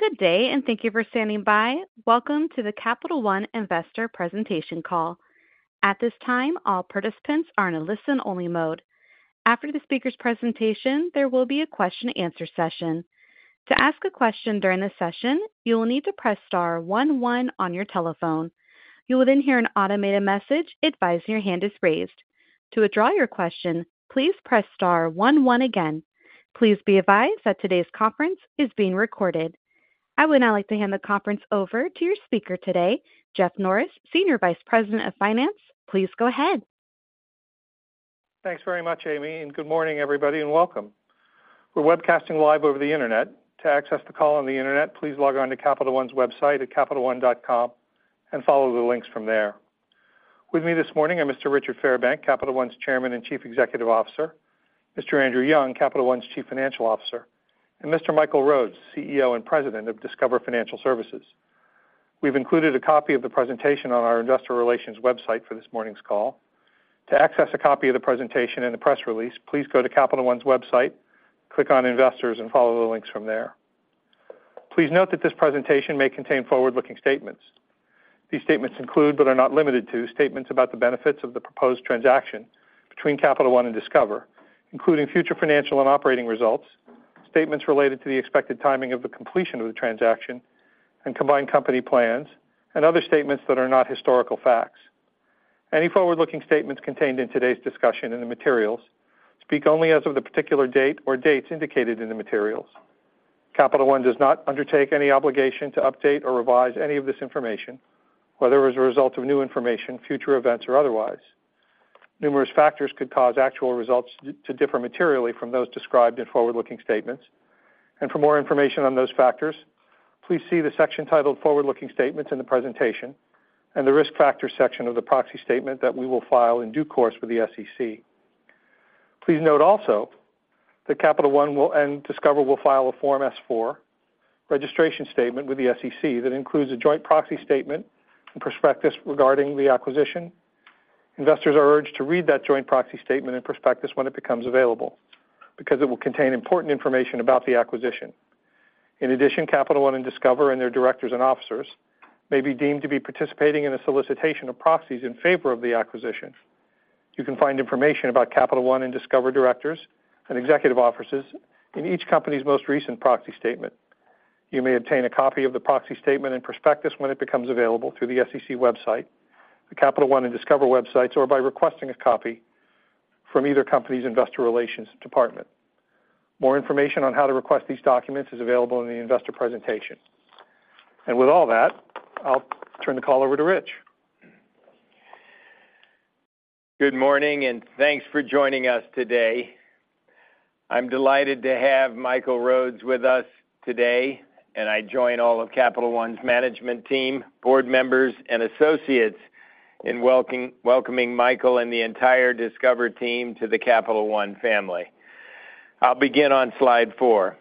Good day and thank you for standing by. Welcome to the Capital One Investor presentation call. At this time, all participants are in a listen-only mode. After the speaker's presentation, there will be a question-and-answer session. To ask a question during the session, you will need to press star 11 on your telephone. You will then hear an automated message advising your hand is raised. To withdraw your question, please press star 11 again. Please be advised that today's conference is being recorded. I would now like to hand the conference over to your speaker today, Jeff Norris, Senior Vice President of Finance. Please go ahead. Thanks very much, Amy, and good morning, everybody, and welcome. We're webcasting live over the Internet. To access the call on the Internet, please log on to Capital One's website at capitalone.com and follow the links from there. With me this morning are Mr. Richard Fairbank, Capital One's Chairman and Chief Executive Officer, Mr. Andrew Young, Capital One's Chief Financial Officer, and Mr. Michael Rhodes, CEO and President of Discover Financial Services. We've included a copy of the presentation on our Investor Relations website for this morning's call. To access a copy of the presentation and the press release, please go to Capital One's website, click on Investors, and follow the links from there. Please note that this presentation may contain forward-looking statements. These statements include but are not limited to statements about the benefits of the proposed transaction between Capital One and Discover, including future financial and operating results, statements related to the expected timing of the completion of the transaction, and combined company plans, and other statements that are not historical facts. Any forward-looking statements contained in today's discussion in the materials speak only as of the particular date or dates indicated in the materials. Capital One does not undertake any obligation to update or revise any of this information, whether as a result of new information, future events, or otherwise. Numerous factors could cause actual results to differ materially from those described in forward-looking statements. For more information on those factors, please see the section titled Forward-Looking Statements in the presentation and the Risk Factors section of the proxy statement that we will file in due course with the SEC. Please note also that Capital One and Discover will file a Form S-4 registration statement with the SEC that includes a joint proxy statement and prospectus regarding the acquisition. Investors are urged to read that joint proxy statement and prospectus when it becomes available because it will contain important information about the acquisition. In addition, Capital One and Discover and their directors and officers may be deemed to be participating in a solicitation of proxies in favor of the acquisition. You can find information about Capital One and Discover directors and executive officers in each company's most recent proxy statement. You may obtain a copy of the proxy statement and prospectus when it becomes available through the SEC website, the Capital One and Discover websites, or by requesting a copy from either company's Investor Relations department. More information on how to request these documents is available in the investor presentation. With all that, I'll turn the call over to Rich. Good morning and thanks for joining us today. I'm delighted to have Michael Rhodes with us today, and I join all of Capital One's management team, board members, and associates in welcoming Michael and the entire Discover team to the Capital One family. I'll begin on slide four.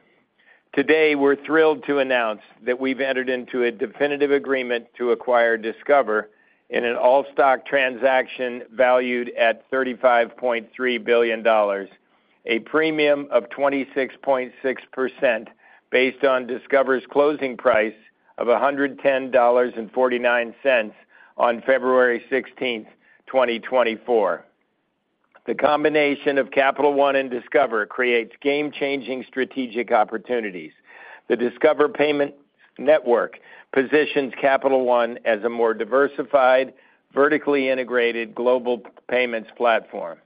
Today, we're thrilled to announce that we've entered into a definitive agreement to acquire Discover in an all-stock transaction valued at $35.3 billion, a premium of 26.6% based on Discover's closing price of $110.49 on February 16, 2024. The combination of Capital One and Discover creates game-changing strategic opportunities. The Discover payment network positions Capital One as a more diversified, vertically integrated global payments platform.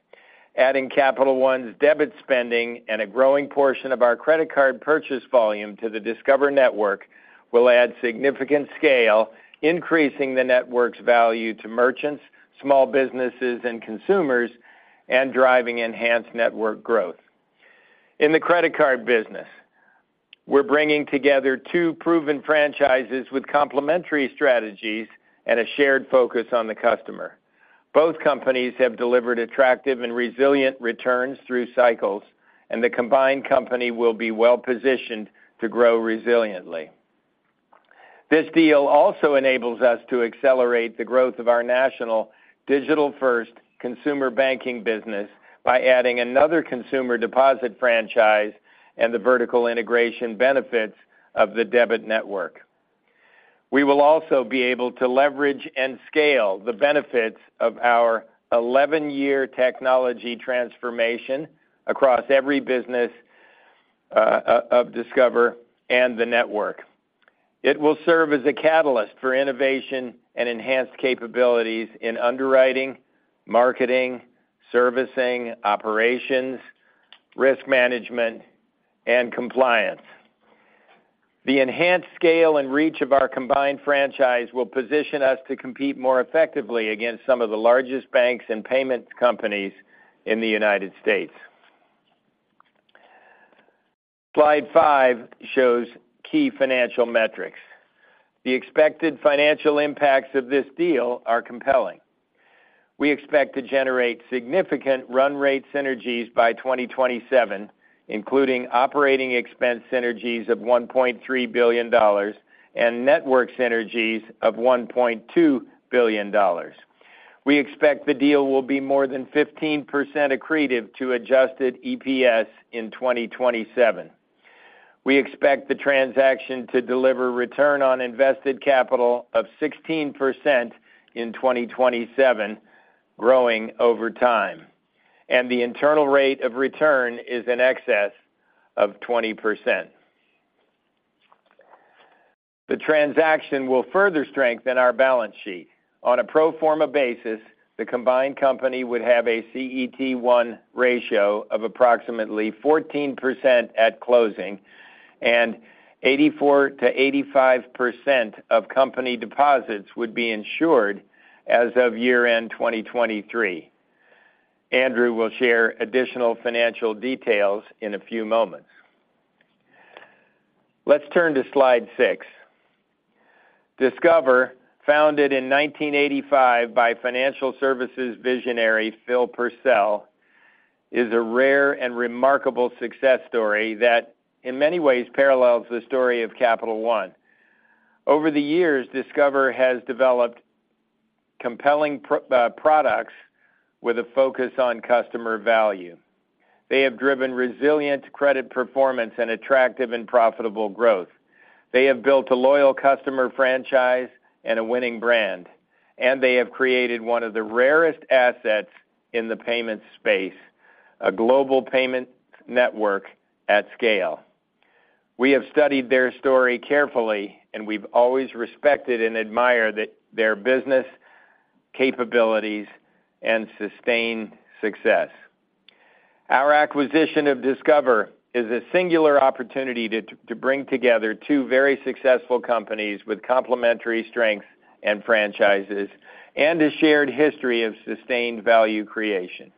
Adding Capital One's debit spending and a growing portion of our credit card purchase volume to the Discover network will add significant scale, increasing the network's value to merchants, small businesses, and consumers, and driving enhanced network growth. In the credit card business, we're bringing together two proven franchises with complementary strategies and a shared focus on the customer. Both companies have delivered attractive and resilient returns through cycles, and the combined company will be well-positioned to grow resiliently. This deal also enables us to accelerate the growth of our national digital-first consumer banking business by adding another consumer deposit franchise and the vertical integration benefits of the debit network. We will also be able to leverage and scale the benefits of our 11-year technology transformation across every business of Discover and the network. It will serve as a catalyst for innovation and enhanced capabilities in underwriting, marketing, servicing, operations, risk management, and compliance. The enhanced scale and reach of our combined franchise will position us to compete more effectively against some of the largest banks and payments companies in the United States. Slide five shows key financial metrics. The expected financial impacts of this deal are compelling. We expect to generate significant run-rate synergies by 2027, including operating expense synergies of $1.3 billion and network synergies of $1.2 billion. We expect the deal will be more than 15% accretive to Adjusted EPS in 2027. We expect the transaction to deliver return on invested capital of 16% in 2027, growing over time, and the internal rate of return is in excess of 20%. The transaction will further strengthen our balance sheet. On a pro forma basis, the combined company would have a CET1 ratio of approximately 14% at closing, and 84%-85% of company deposits would be insured as of year-end 2023. Andrew will share additional financial details in a few moments. Let's turn to slide 6. Discover, founded in 1985 by financial services visionary Phil Purcell, is a rare and remarkable success story that in many ways parallels the story of Capital One. Over the years, Discover has developed compelling products with a focus on customer value. They have driven resilient credit performance and attractive and profitable growth. They have built a loyal customer franchise and a winning brand, and they have created one of the rarest assets in the payments space, a global payment network at scale. We have studied their story carefully, and we've always respected and admired their business capabilities and sustained success. Our acquisition of Discover is a singular opportunity to bring together 2 very successful companies with complementary strengths and franchises and a shared history of sustained value creation.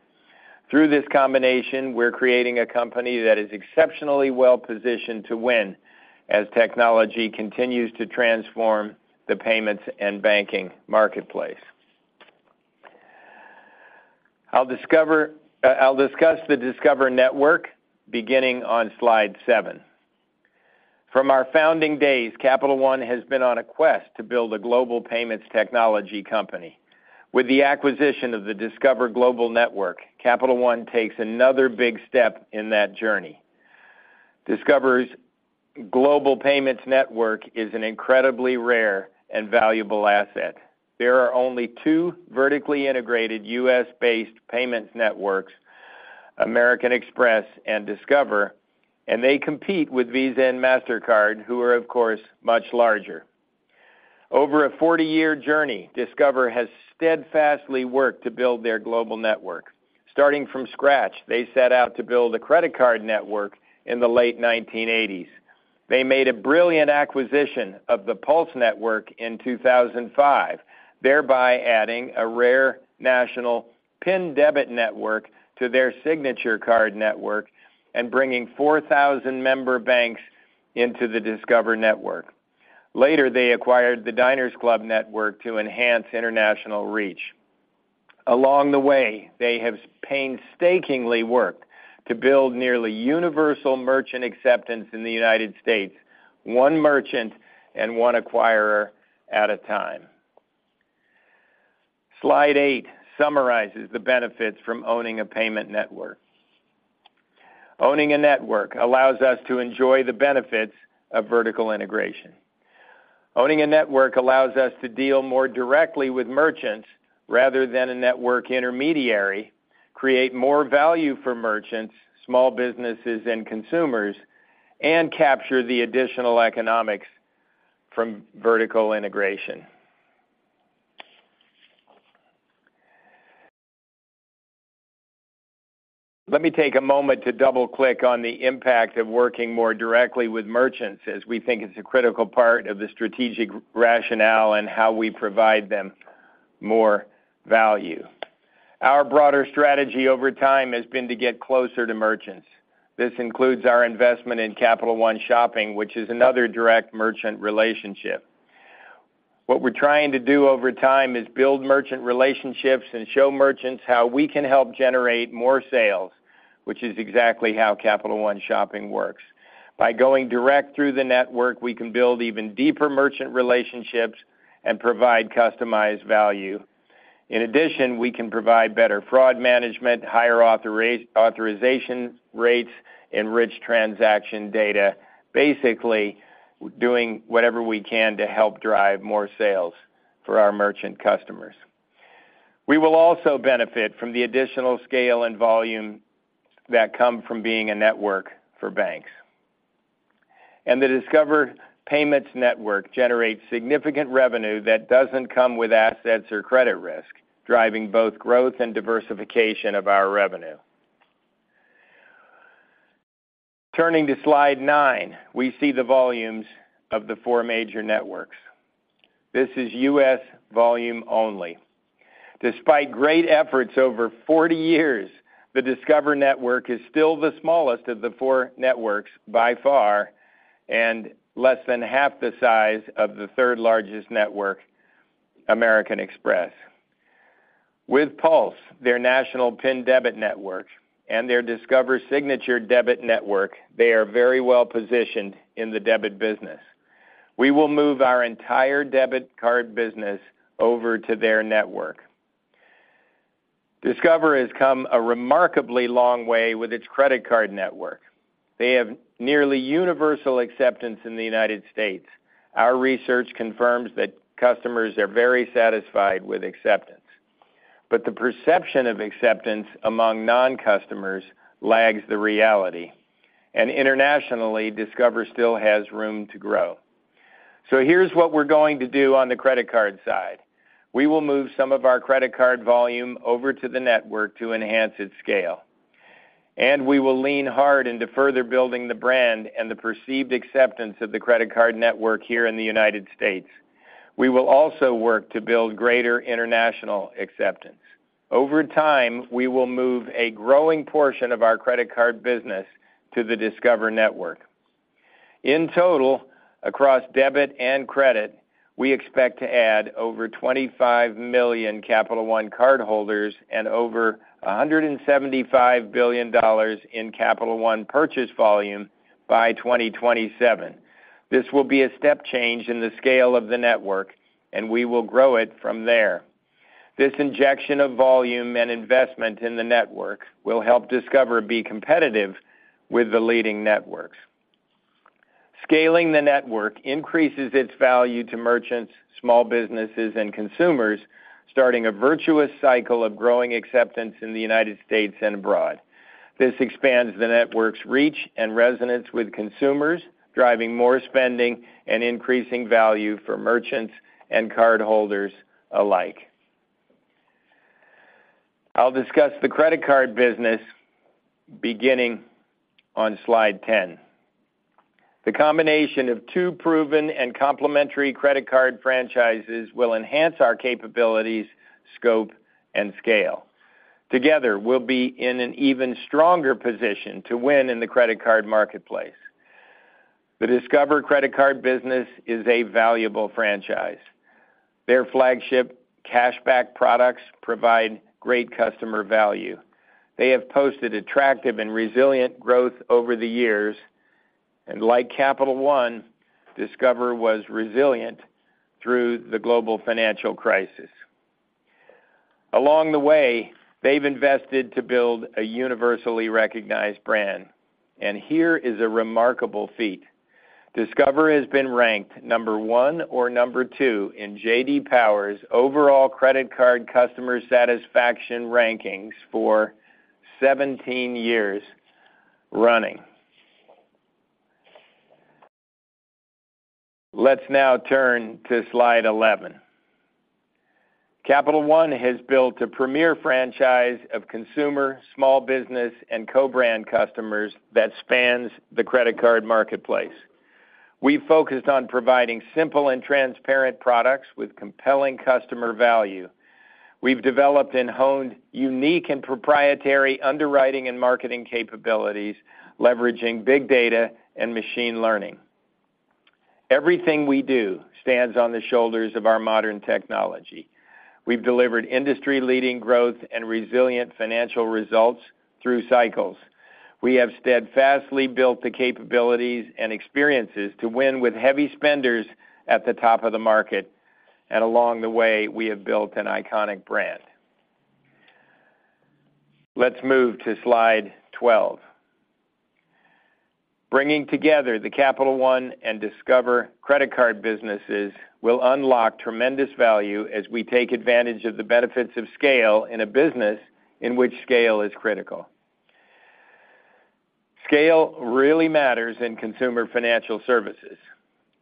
Through this combination, we're creating a company that is exceptionally well-positioned to win as technology continues to transform the payments and banking marketplace. I'll discuss the Discover network beginning on slide 7. From our founding days, Capital One has been on a quest to build a global payments technology company. With the acquisition of the Discover Global Network, Capital One takes another big step in that journey. Discover's global payments network is an incredibly rare and valuable asset. There are only 2 vertically integrated U.S.-based payments networks, American Express and Discover, and they compete with Visa and Mastercard, who are, of course, much larger. Over a 40-year journey, Discover has steadfastly worked to build their global network. Starting from scratch, they set out to build a credit card network in the late 1980s. They made a brilliant acquisition of the Pulse network in 2005, thereby adding a rare national PIN debit network to their signature card network and bringing 4,000 member banks into the Discover network. Later, they acquired the Diners Club network to enhance international reach. Along the way, they have painstakingly worked to build nearly universal merchant acceptance in the United States, one merchant and one acquirer at a time. Slide eight summarizes the benefits from owning a payment network. Owning a network allows us to enjoy the benefits of vertical integration. Owning a network allows us to deal more directly with merchants rather than a network intermediary, create more value for merchants, small businesses, and consumers, and capture the additional economics from vertical integration. Let me take a moment to double-click on the impact of working more directly with merchants as we think it's a critical part of the strategic rationale and how we provide them more value. Our broader strategy over time has been to get closer to merchants. This includes our investment in Capital One Shopping, which is another direct merchant relationship. What we're trying to do over time is build merchant relationships and show merchants how we can help generate more sales, which is exactly how Capital One Shopping works. By going direct through the network, we can build even deeper merchant relationships and provide customized value. In addition, we can provide better fraud management, higher authorization rates, and rich transaction data, basically doing whatever we can to help drive more sales for our merchant customers. We will also benefit from the additional scale and volume that come from being a network for banks. The Discover payments network generates significant revenue that doesn't come with assets or credit risk, driving both growth and diversification of our revenue. Turning to slide 9, we see the volumes of the four major networks. This is U.S. volume only. Despite great efforts over 40 years, the Discover network is still the smallest of the four networks by far and less than half the size of the third largest network, American Express. With PULSE, their national PIN debit network, and their Discover Signature Debit network, they are very well-positioned in the debit business. We will move our entire debit card business over to their network. Discover has come a remarkably long way with its credit card network. They have nearly universal acceptance in the United States. Our research confirms that customers are very satisfied with acceptance. But the perception of acceptance among non-customers lags the reality, and internationally, Discover still has room to grow. So here's what we're going to do on the credit card side. We will move some of our credit card volume over to the network to enhance its scale. And we will lean hard into further building the brand and the perceived acceptance of the credit card network here in the United States. We will also work to build greater international acceptance. Over time, we will move a growing portion of our credit card business to the Discover network. In total, across debit and credit, we expect to add over 25 million Capital One cardholders and over $175 billion in Capital One purchase volume by 2027. This will be a step change in the scale of the network, and we will grow it from there. This injection of volume and investment in the network will help Discover be competitive with the leading networks. Scaling the network increases its value to merchants, small businesses, and consumers, starting a virtuous cycle of growing acceptance in the United States and abroad. This expands the network's reach and resonance with consumers, driving more spending and increasing value for merchants and cardholders alike. I'll discuss the credit card business beginning on slide 10. The combination of two proven and complementary credit card franchises will enhance our capabilities, scope, and scale. Together, we'll be in an even stronger position to win in the credit card marketplace. The Discover credit card business is a valuable franchise. Their flagship cashback products provide great customer value. They have posted attractive and resilient growth over the years, and like Capital One, Discover was resilient through the global financial crisis. Along the way, they've invested to build a universally recognized brand. Here is a remarkable feat. Discover has been ranked number one or number two in J.D. Power's overall credit card customer satisfaction rankings for 17 years running. Let's now turn to slide 11. Capital One has built a premier franchise of consumer, small business, and co-brand customers that spans the credit card marketplace. We've focused on providing simple and transparent products with compelling customer value. We've developed and honed unique and proprietary underwriting and marketing capabilities, leveraging big data and machine learning. Everything we do stands on the shoulders of our modern technology. We've delivered industry-leading growth and resilient financial results through cycles. We have steadfastly built the capabilities and experiences to win with heavy spenders at the top of the market, and along the way, we have built an iconic brand. Let's move to slide 12. Bringing together the Capital One and Discover credit card businesses will unlock tremendous value as we take advantage of the benefits of scale in a business in which scale is critical. Scale really matters in consumer financial services.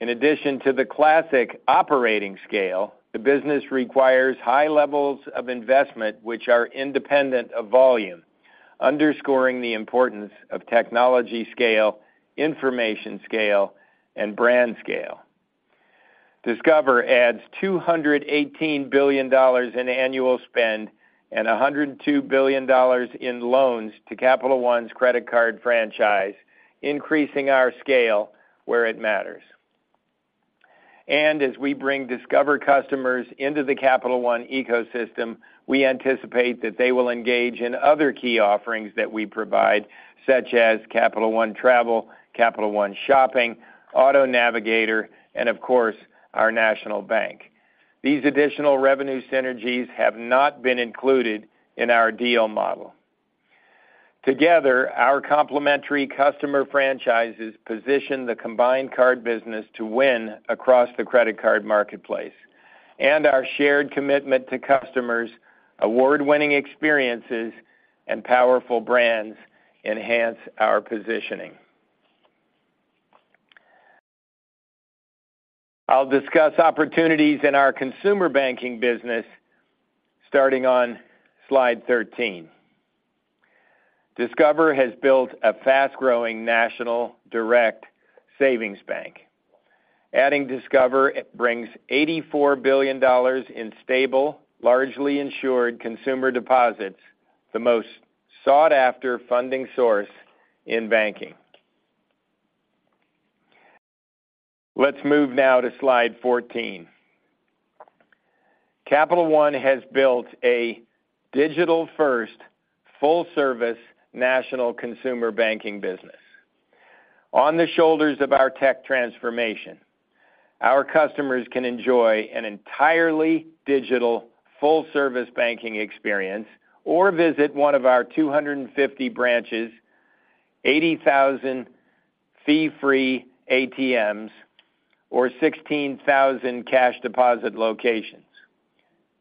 In addition to the classic operating scale, the business requires high levels of investment which are independent of volume, underscoring the importance of technology scale, information scale, and brand scale. Discover adds $218 billion in annual spend and $102 billion in loans to Capital One's credit card franchise, increasing our scale where it matters. As we bring Discover customers into the Capital One ecosystem, we anticipate that they will engage in other key offerings that we provide, such as Capital One Travel, Capital One Shopping, Auto Navigator, and, of course, our national bank. These additional revenue synergies have not been included in our deal model. Together, our complementary customer franchises position the combined card business to win across the credit card marketplace, and our shared commitment to customers, award-winning experiences, and powerful brands enhance our positioning. I'll discuss opportunities in our consumer banking business starting on slide 13. Discover has built a fast-growing national direct savings bank. Adding Discover, it brings $84 billion in stable, largely insured consumer deposits, the most sought-after funding source in banking. Let's move now to slide 14. Capital One has built a digital-first, full-service national consumer banking business. On the shoulders of our tech transformation, our customers can enjoy an entirely digital full-service banking experience or visit one of our 250 branches, 80,000 fee-free ATMs, or 16,000 cash deposit locations.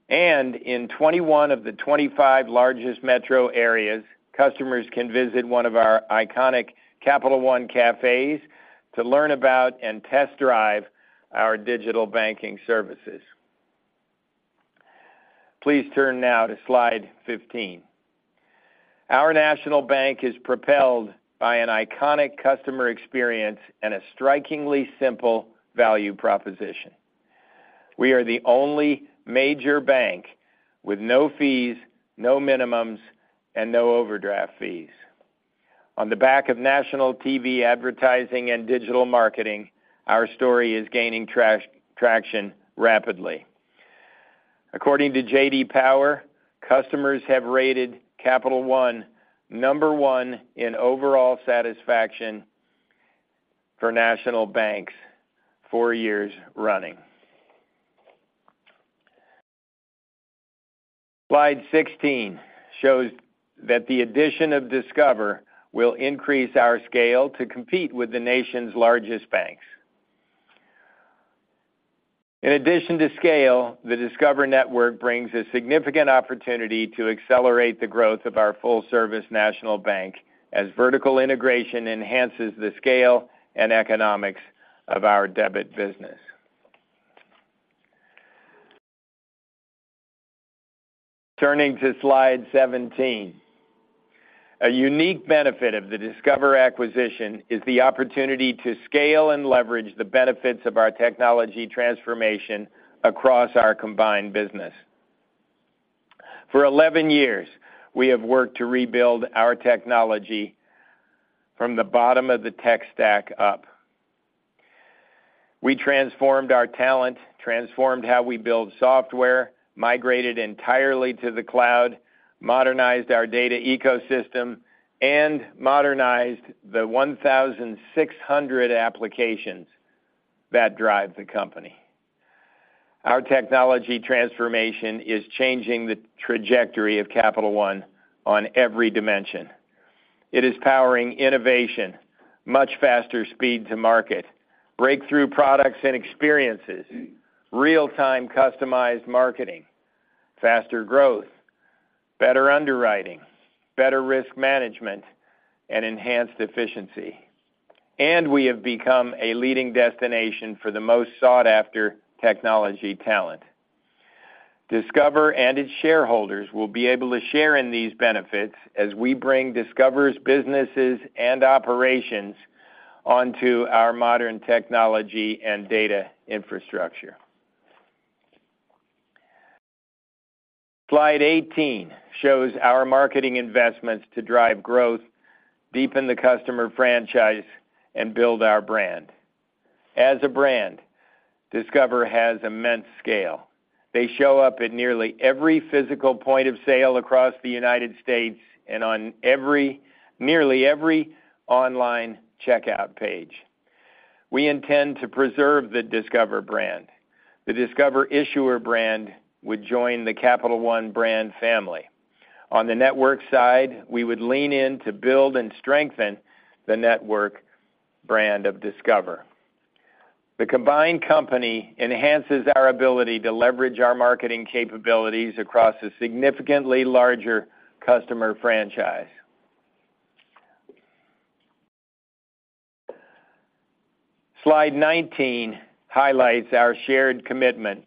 In 21 of the 25 largest metro areas, customers can visit one of our iconic Capital One Cafés to learn about and test drive our digital banking services. Please turn now to slide 15. Our national bank is propelled by an iconic customer experience and a strikingly simple value proposition. We are the only major bank with no fees, no minimums, and no overdraft fees. On the back of national TV advertising and digital marketing, our story is gaining traction rapidly. According to J.D. Power, customers have rated Capital One number 1 in overall satisfaction for national banks 4 years running. Slide 16 shows that the addition of Discover will increase our scale to compete with the nation's largest banks. In addition to scale, the Discover network brings a significant opportunity to accelerate the growth of our full-service national bank as vertical integration enhances the scale and economics of our debit business. Turning to slide 17. A unique benefit of the Discover acquisition is the opportunity to scale and leverage the benefits of our technology transformation across our combined business. For 11 years, we have worked to rebuild our technology from the bottom of the tech stack up. We transformed our talent, transformed how we build software, migrated entirely to the cloud, modernized our data ecosystem, and modernized the 1,600 applications that drive the company. Our technology transformation is changing the trajectory of Capital One on every dimension. It is powering innovation, much faster speed to market, breakthrough products and experiences, real-time customized marketing, faster growth, better underwriting, better risk management, and enhanced efficiency. We have become a leading destination for the most sought-after technology talent. Discover and its shareholders will be able to share in these benefits as we bring Discover's businesses and operations onto our modern technology and data infrastructure. Slide 18 shows our marketing investments to drive growth, deepen the customer franchise, and build our brand. As a brand, Discover has immense scale. They show up at nearly every physical point of sale across the United States and on nearly every online checkout page. We intend to preserve the Discover brand. The Discover issuer brand would join the Capital One brand family. On the network side, we would lean in to build and strengthen the network brand of Discover. The combined company enhances our ability to leverage our marketing capabilities across a significantly larger customer franchise. Slide 19 highlights our shared commitment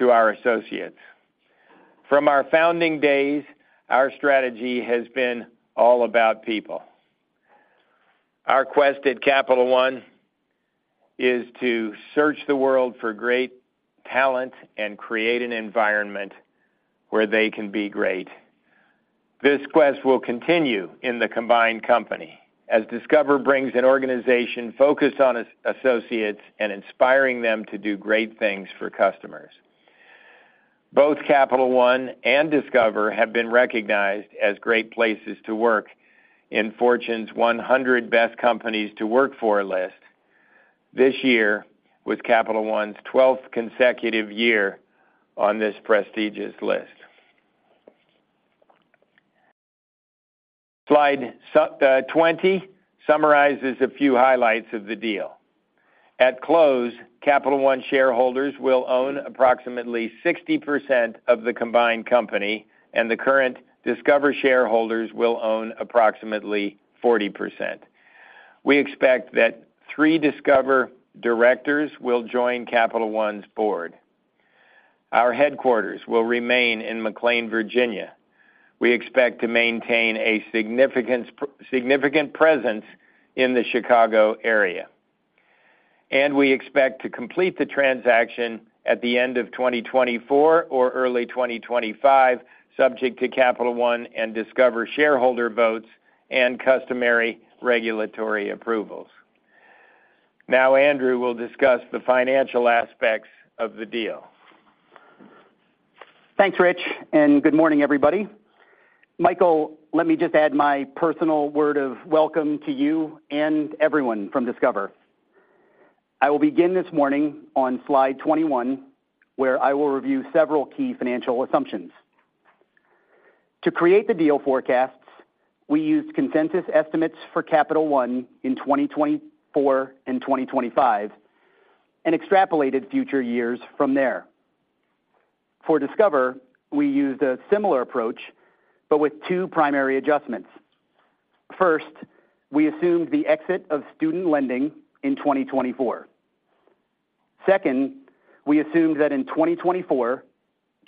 to our associates. From our founding days, our strategy has been all about people. Our quest at Capital One is to search the world for great talent and create an environment where they can be great. This quest will continue in the combined company as Discover brings an organization focused on associates and inspiring them to do great things for customers. Both Capital One and Discover have been recognized as great places to work in Fortune's 100 Best Companies to Work For list. This year was Capital One's 12th consecutive year on this prestigious list. Slide 20 summarizes a few highlights of the deal. At close, Capital One shareholders will own approximately 60% of the combined company, and the current Discover shareholders will own approximately 40%. We expect that three Discover directors will join Capital One's board. Our headquarters will remain in McLean, Virginia. We expect to maintain a significant presence in the Chicago area. We expect to complete the transaction at the end of 2024 or early 2025, subject to Capital One and Discover shareholder votes and customary regulatory approvals. Now, Andrew will discuss the financial aspects of the deal. Thanks, Rich, and good morning, everybody. Michael, let me just add my personal word of welcome to you and everyone from Discover. I will begin this morning on slide 21, where I will review several key financial assumptions. To create the deal forecasts, we used consensus estimates for Capital One in 2024 and 2025 and extrapolated future years from there. For Discover, we used a similar approach, but with two primary adjustments. First, we assumed the exit of student lending in 2024. Second, we assumed that in 2024,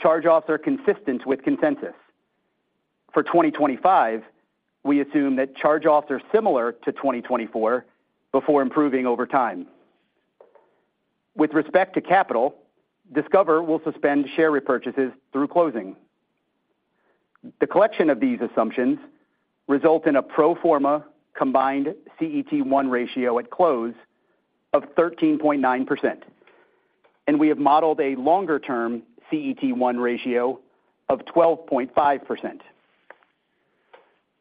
charge-offs are consistent with consensus. For 2025, we assume that charge-offs are similar to 2024 before improving over time. With respect to capital, Discover will suspend share repurchases through closing. The collection of these assumptions results in a pro forma combined CET1 ratio at close of 13.9%, and we have modeled a longer-term CET1 ratio of 12.5%.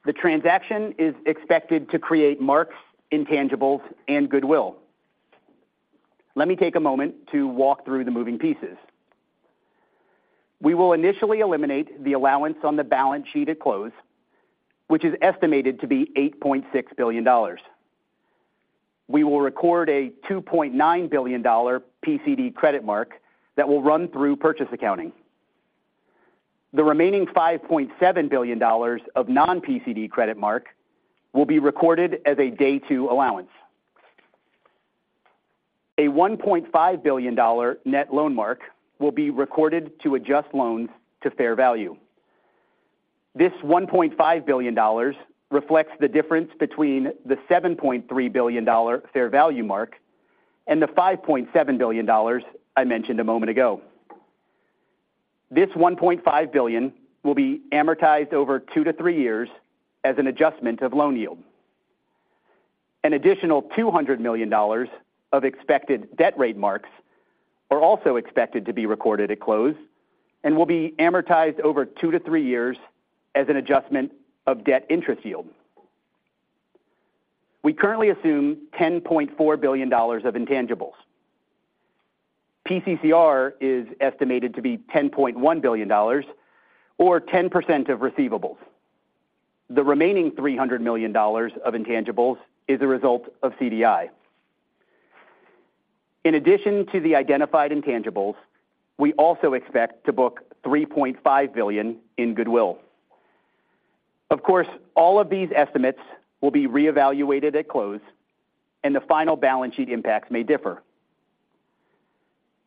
The transaction is expected to create marks, intangibles, and goodwill. Let me take a moment to walk through the moving pieces. We will initially eliminate the allowance on the balance sheet at close, which is estimated to be $8.6 billion. We will record a $2.9 billion PCD credit mark that will run through purchase accounting. The remaining $5.7 billion of non-PCD credit mark will be recorded as a day two allowance. A $1.5 billion net loan mark will be recorded to adjust loans to fair value. This $1.5 billion reflects the difference between the $7.3 billion fair value mark and the $5.7 billion I mentioned a moment ago. This $1.5 billion will be amortized over 2-3 years as an adjustment of loan yield. An additional $200 million of expected debt rate marks are also expected to be recorded at close and will be amortized over 2-3 years as an adjustment of debt interest yield. We currently assume $10.4 billion of intangibles. PCCR is estimated to be $10.1 billion or 10% of receivables. The remaining $300 million of intangibles is a result of CDI. In addition to the identified intangibles, we also expect to book $3.5 billion in goodwill. Of course, all of these estimates will be reevaluated at close, and the final balance sheet impacts may differ.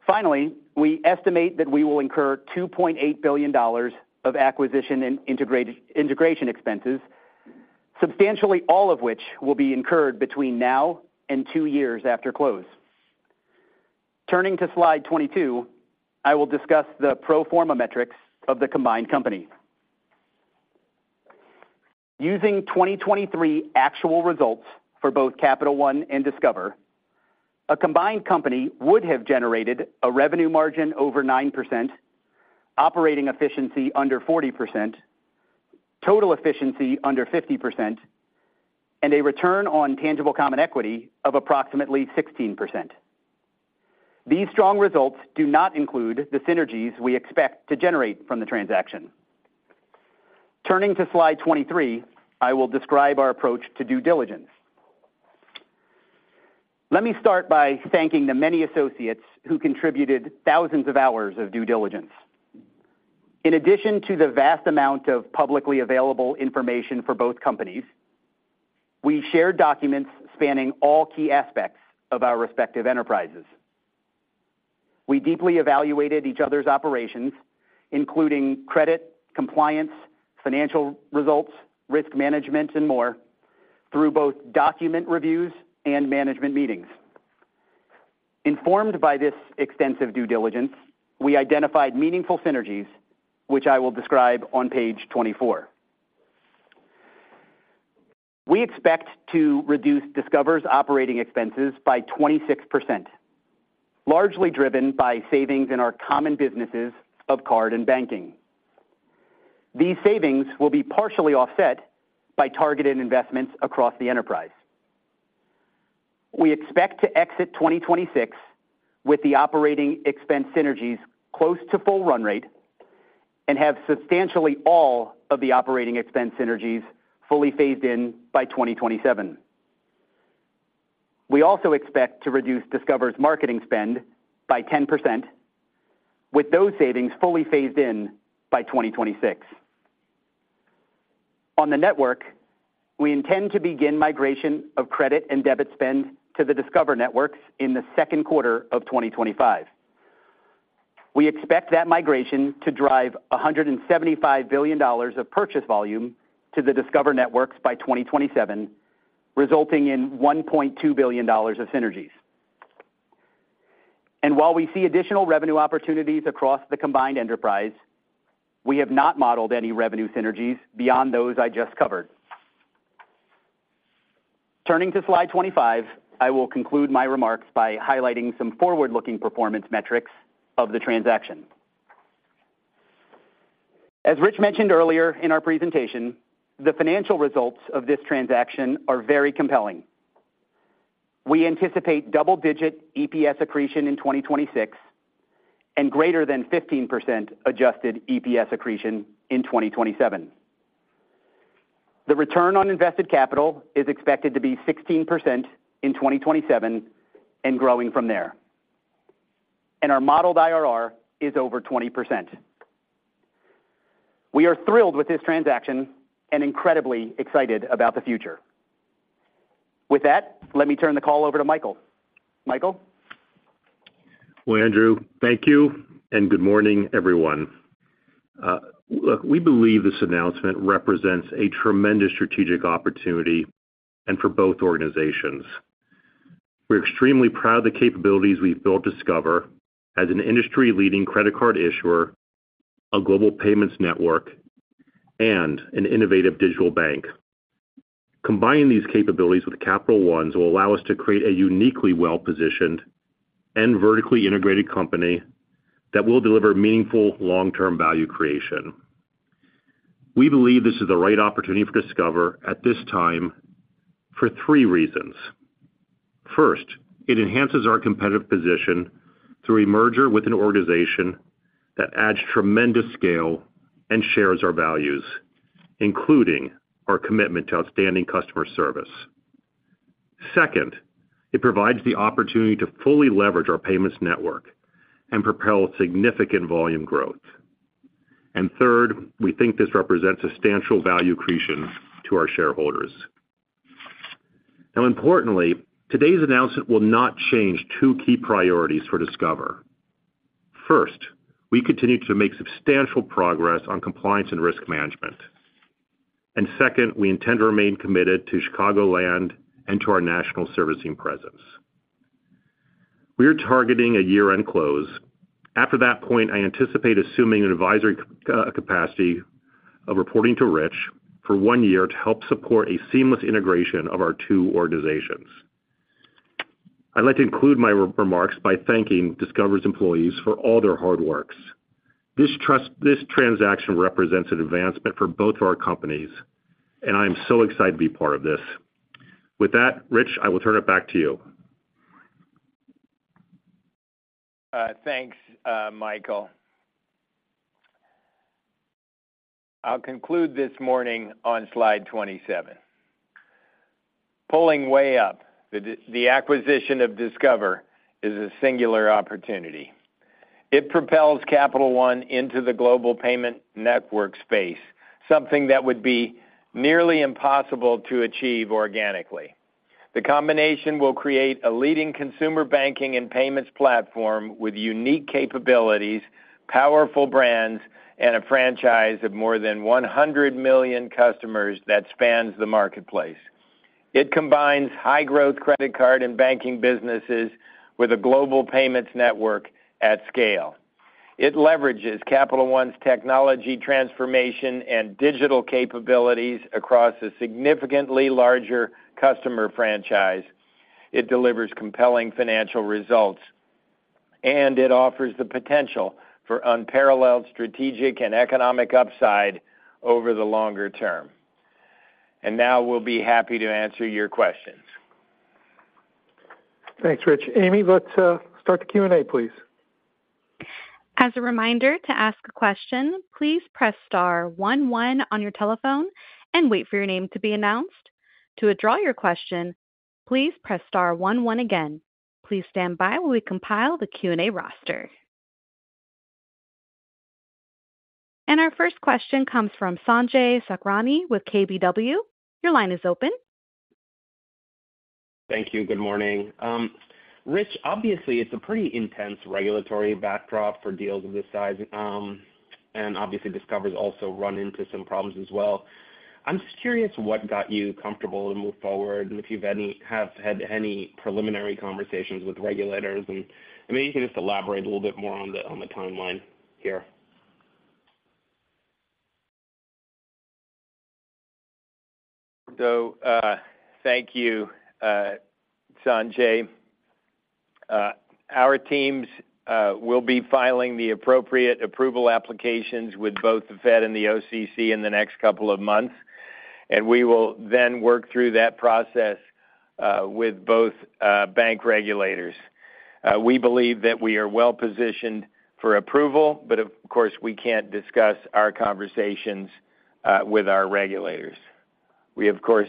Finally, we estimate that we will incur $2.8 billion of acquisition and integration expenses, substantially all of which will be incurred between now and two years after close. Turning to slide 22, I will discuss the pro forma metrics of the combined company. Using 2023 actual results for both Capital One and Discover, a combined company would have generated a revenue margin over 9%, operating efficiency under 40%, total efficiency under 50%, and a return on tangible common equity of approximately 16%. These strong results do not include the synergies we expect to generate from the transaction. Turning to slide 23, I will describe our approach to due diligence. Let me start by thanking the many associates who contributed thousands of hours of due diligence. In addition to the vast amount of publicly available information for both companies, we shared documents spanning all key aspects of our respective enterprises. We deeply evaluated each other's operations, including credit, compliance, financial results, risk management, and more, through both document reviews and management meetings. Informed by this extensive due diligence, we identified meaningful synergies, which I will describe on page 24. We expect to reduce Discover's operating expenses by 26%, largely driven by savings in our common businesses of card and banking. These savings will be partially offset by targeted investments across the enterprise. We expect to exit 2026 with the operating expense synergies close to full run rate and have substantially all of the operating expense synergies fully phased in by 2027. We also expect to reduce Discover's marketing spend by 10%, with those savings fully phased in by 2026. On the network, we intend to begin migration of credit and debit spend to the Discover networks in the second quarter of 2025. We expect that migration to drive $175 billion of purchase volume to the Discover networks by 2027, resulting in $1.2 billion of synergies. While we see additional revenue opportunities across the combined enterprise, we have not modeled any revenue synergies beyond those I just covered. Turning to slide 25, I will conclude my remarks by highlighting some forward-looking performance metrics of the transaction. As Rich mentioned earlier in our presentation, the financial results of this transaction are very compelling. We anticipate double-digit EPS accretion in 2026 and greater than 15% Adjusted EPS accretion in 2027. The Return on Invested Capital is expected to be 16% in 2027 and growing from there. Our modeled IRR is over 20%. We are thrilled with this transaction and incredibly excited about the future. With that, let me turn the call over to Michael. Michael? Well, Andrew, thank you and good morning, everyone. Look, we believe this announcement represents a tremendous strategic opportunity for both organizations. We're extremely proud of the capabilities we've built at Discover as an industry-leading credit card issuer, a global payments network, and an innovative digital bank. Combining these capabilities with Capital One will allow us to create a uniquely well-positioned and vertically integrated company that will deliver meaningful long-term value creation. We believe this is the right opportunity for Discover at this time for three reasons. First, it enhances our competitive position through a merger with an organization that adds tremendous scale and shares our values, including our commitment to outstanding customer service. Second, it provides the opportunity to fully leverage our payments network and propel significant volume growth. And third, we think this represents substantial value creation to our shareholders. Now, importantly, today's announcement will not change two key priorities for Discover. First, we continue to make substantial progress on compliance and risk management. Second, we intend to remain committed to Chicagoland and to our national servicing presence. We are targeting a year-end close. After that point, I anticipate assuming an advisory capacity of reporting to Rich for one year to help support a seamless integration of our two organizations. I'd like to include my remarks by thanking Discover's employees for all their hard work. This transaction represents an advancement for both of our companies, and I am so excited to be part of this. With that, Rich, I will turn it back to you. Thanks, Michael. I'll conclude this morning on slide 27. Pulling way up, the acquisition of Discover is a singular opportunity. It propels Capital One into the global payment network space, something that would be nearly impossible to achieve organically. The combination will create a leading consumer banking and payments platform with unique capabilities, powerful brands, and a franchise of more than 100 million customers that spans the marketplace. It combines high-growth credit card and banking businesses with a global payments network at scale. It leverages Capital One's technology transformation and digital capabilities across a significantly larger customer franchise. It delivers compelling financial results, and it offers the potential for unparalleled strategic and economic upside over the longer term. Now we'll be happy to answer your questions. Thanks, Rich. Amy, let's start the Q&A, please. As a reminder, to ask a question, please press star 11 on your telephone and wait for your name to be announced. To withdraw your question, please press star 11 again. Please stand by while we compile the Q&A roster. Our first question comes from Sanjay Sakhrani with KBW. Your line is open. Thank you. Good morning. Rich, obviously, it's a pretty intense regulatory backdrop for deals of this size, and obviously, Discover's also run into some problems as well. I'm just curious what got you comfortable to move forward and if you've had any preliminary conversations with regulators? And maybe you can just elaborate a little bit more on the timeline here? So thank you, Sanjay. Our teams will be filing the appropriate approval applications with both the Fed and the OCC in the next couple of months, and we will then work through that process with both bank regulators. We believe that we are well-positioned for approval, but of course, we can't discuss our conversations with our regulators. We have, of course,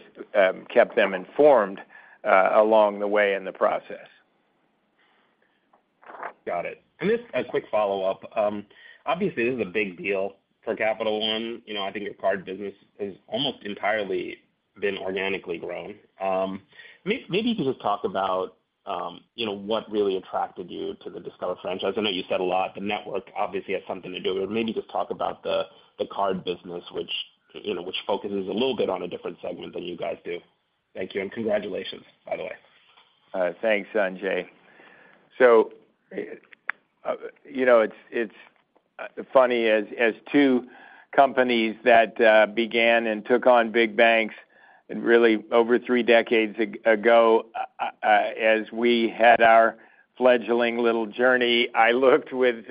kept them informed along the way in the process. Got it. And just a quick follow-up. Obviously, this is a big deal for Capital One. I think your card business has almost entirely been organically grown. Maybe you could just talk about what really attracted you to the Discover franchise. I know you said a lot. The network, obviously, has something to do with it. Maybe just talk about the card business, which focuses a little bit on a different segment than you guys do. Thank you and congratulations, by the way. Thanks, Sanjay. So it's funny, as two companies that began and took on big banks really over three decades ago, as we had our fledgling little journey, I looked with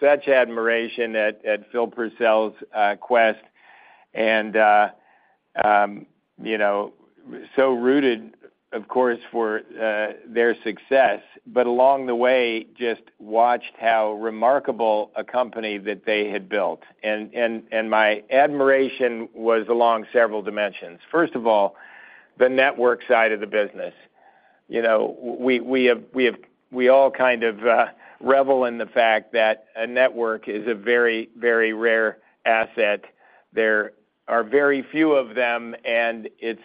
such admiration at Phil Purcell's Quest and so rooted, of course, for their success, but along the way, just watched how remarkable a company that they had built. My admiration was along several dimensions. First of all, the network side of the business. We all kind of revel in the fact that a network is a very, very rare asset. There are very few of them, and it's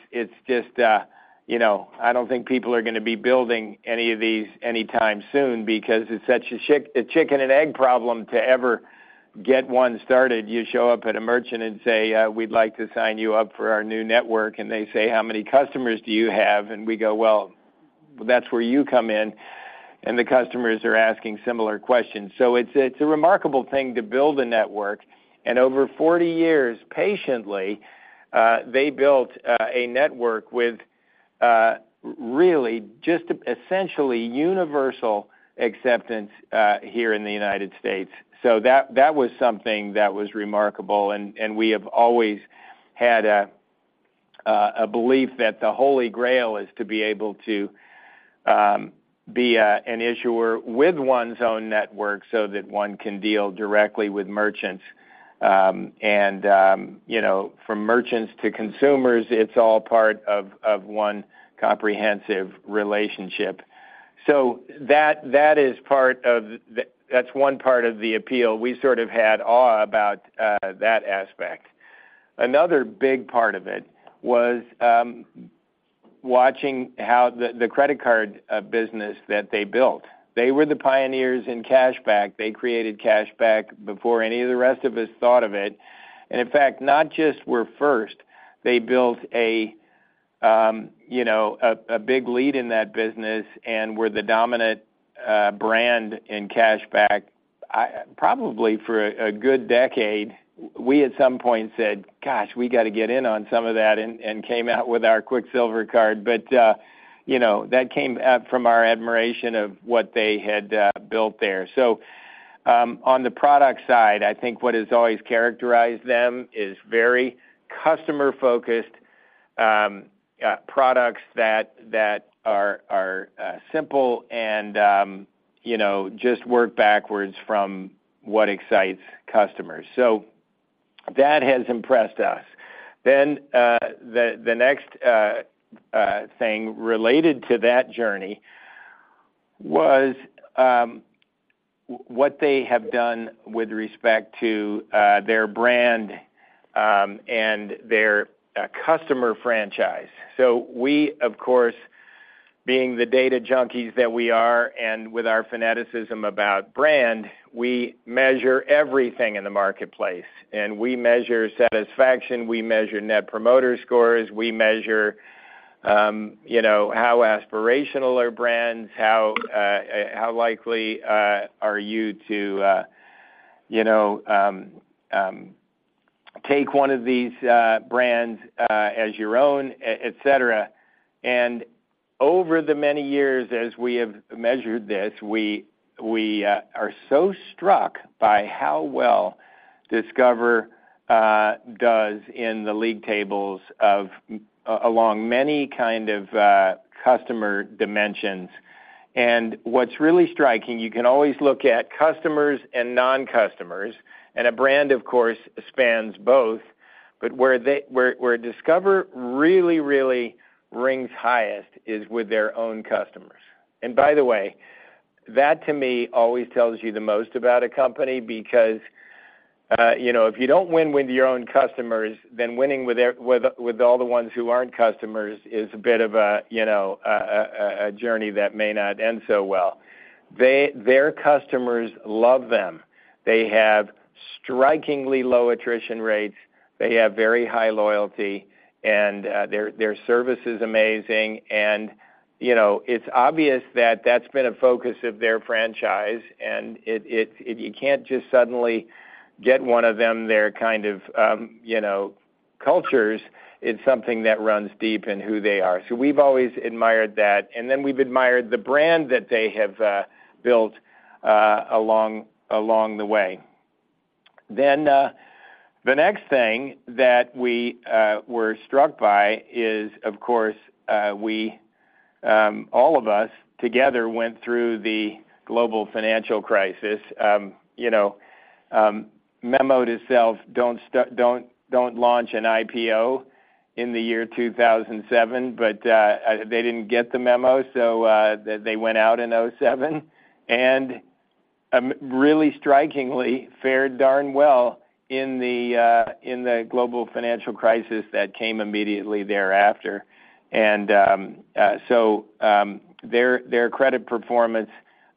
just, I don't think people are going to be building any of these anytime soon because it's such a chicken-and-egg problem to ever get one started. You show up at a merchant and say, "We'd like to sign you up for our new network," and they say, "How many customers do you have?" And we go, "Well, that's where you come in," and the customers are asking similar questions. So it's a remarkable thing to build a network. And over 40 years, patiently, they built a network with really just essentially universal acceptance here in the United States. So that was something that was remarkable. We have always had a belief that the Holy Grail is to be able to be an issuer with one's own network so that one can deal directly with merchants. And from merchants to consumers, it's all part of one comprehensive relationship. So that is part of that's one part of the appeal. We sort of had awe about that aspect. Another big part of it was watching how the credit card business that they built. They were the pioneers in cashback. They created cashback before any of the rest of us thought of it. And in fact, not just were first. They built a big lead in that business and were the dominant brand in cashback. Probably for a good decade, we at some point said, "Gosh, we got to get in on some of that," and came out with our Quicksilver Card. But that came from our admiration of what they had built there. So on the product side, I think what has always characterized them is very customer-focused products that are simple and just work backwards from what excites customers. So that has impressed us. Then the next thing related to that journey was what they have done with respect to their brand and their customer franchise. So we, of course, being the data junkies that we are and with our fanaticism about brand, we measure everything in the marketplace. And we measure satisfaction. We measure net promoter scores. We measure how aspirational are brands, how likely are you to take one of these brands as your own, etc. And over the many years as we have measured this, we are so struck by how well Discover does in the league tables along many kind of customer dimensions. What's really striking, you can always look at customers and non-customers. And a brand, of course, spans both. But where Discover really, really rings highest is with their own customers. And by the way, that to me always tells you the most about a company because if you don't win with your own customers, then winning with all the ones who aren't customers is a bit of a journey that may not end so well. Their customers love them. They have strikingly low attrition rates. They have very high loyalty. And their service is amazing. And it's obvious that that's been a focus of their franchise. And you can't just suddenly get one of them. Their kind of cultures, it's something that runs deep in who they are. So we've always admired that. And then we've admired the brand that they have built along the way. Then the next thing that we were struck by is, of course, all of us together went through the global financial crisis. Memo to self, "Don't launch an IPO," in the year 2007. But they didn't get the memo, so they went out in 2007. And really strikingly, fared darn well in the global financial crisis that came immediately thereafter. And so their credit performance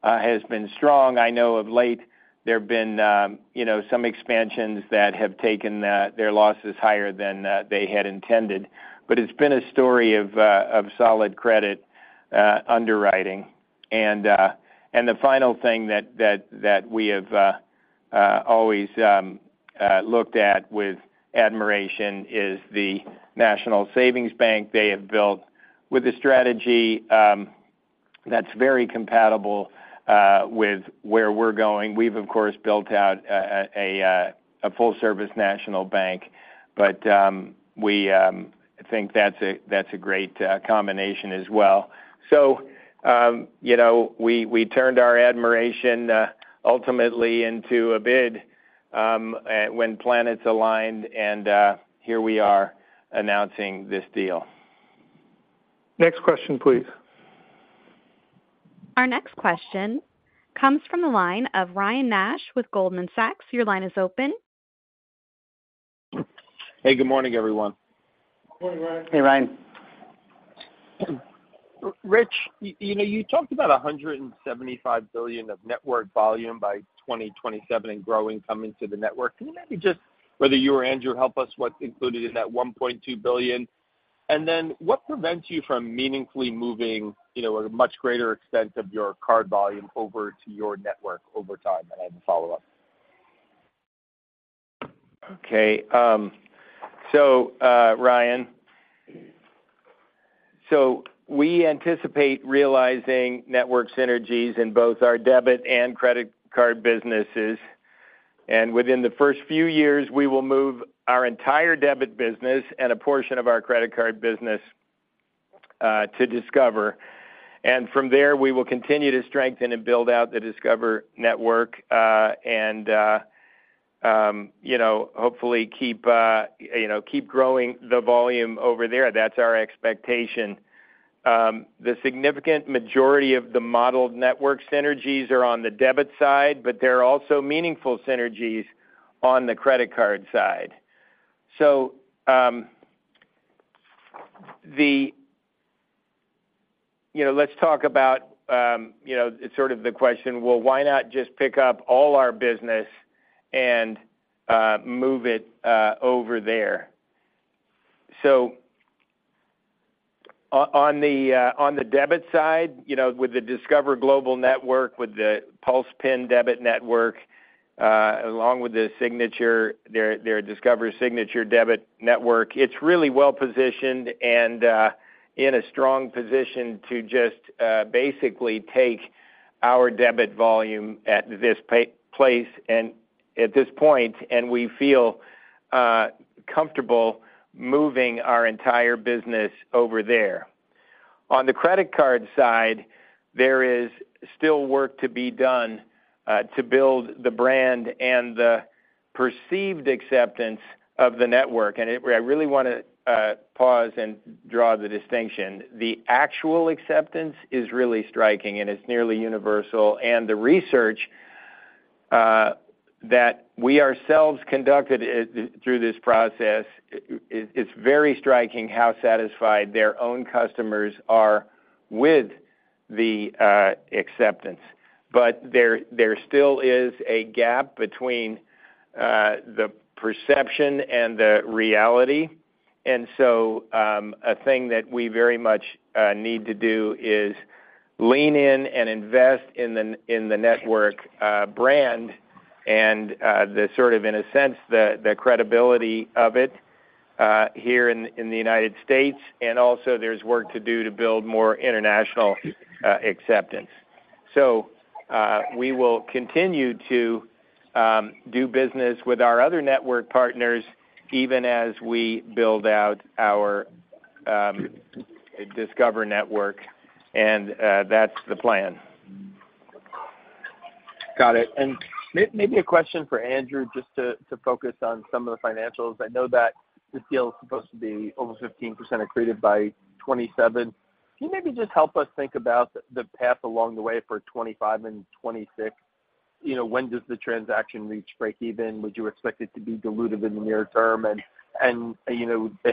has been strong. I know of late, there have been some expansions that have taken their losses higher than they had intended. But it's been a story of solid credit underwriting. And the final thing that we have always looked at with admiration is the National Savings Bank they have built with a strategy that's very compatible with where we're going. We've, of course, built out a full-service national bank, but we think that's a great combination as well. So we turned our admiration ultimately into a bid when planets aligned, and here we are announcing this deal. Next question, please. Our next question comes from the line of Ryan Nash with Goldman Sachs. Your line is open. Hey, good morning, everyone. Good morning, Ryan. Hey, Ryan. Rich, you talked about $175 billion of network volume by 2027 and growing coming to the network. Can you maybe just, whether you or Andrew, help us what's included in that $1.2 billion? And then what prevents you from meaningfully moving a much greater extent of your card volume over to your network over time? And I have a follow-up. Okay. So, Ryan, so we anticipate realizing network synergies in both our debit and credit card businesses. And within the first few years, we will move our entire debit business and a portion of our credit card business to Discover. And from there, we will continue to strengthen and build out the Discover Global Network and hopefully keep growing the volume over there. That's our expectation. The significant majority of the modeled network synergies are on the debit side, but there are also meaningful synergies on the credit card side. So let's talk about it's sort of the question, "Well, why not just pick up all our business and move it over there?" So on the debit side, with the Discover Global Network, with the PULSE PIN debit network, along with the Discover Signature Debit network, it's really well-positioned and in a strong position to just basically take our debit volume at this place and at this point, and we feel comfortable moving our entire business over there. On the credit side, there is still work to be done to build the brand and the perceived acceptance of the network. And I really want to pause and draw the distinction. The actual acceptance is really striking, and it's nearly universal. And the research that we ourselves conducted through this process, it's very striking how satisfied their own customers are with the acceptance. But there still is a gap between the perception and the reality. And so a thing that we very much need to do is lean in and invest in the network brand and the sort of, in a sense, the credibility of it here in the United States. And also, there's work to do to build more international acceptance. So we will continue to do business with our other network partners even as we build out our Discover network. And that's the plan. Got it. And maybe a question for Andrew just to focus on some of the financials. I know that this deal is supposed to be over 15% accretive by 2027. Can you maybe just help us think about the path along the way for 2025 and 2026? When does the transaction reach break-even? Would you expect it to be diluted in the near term? And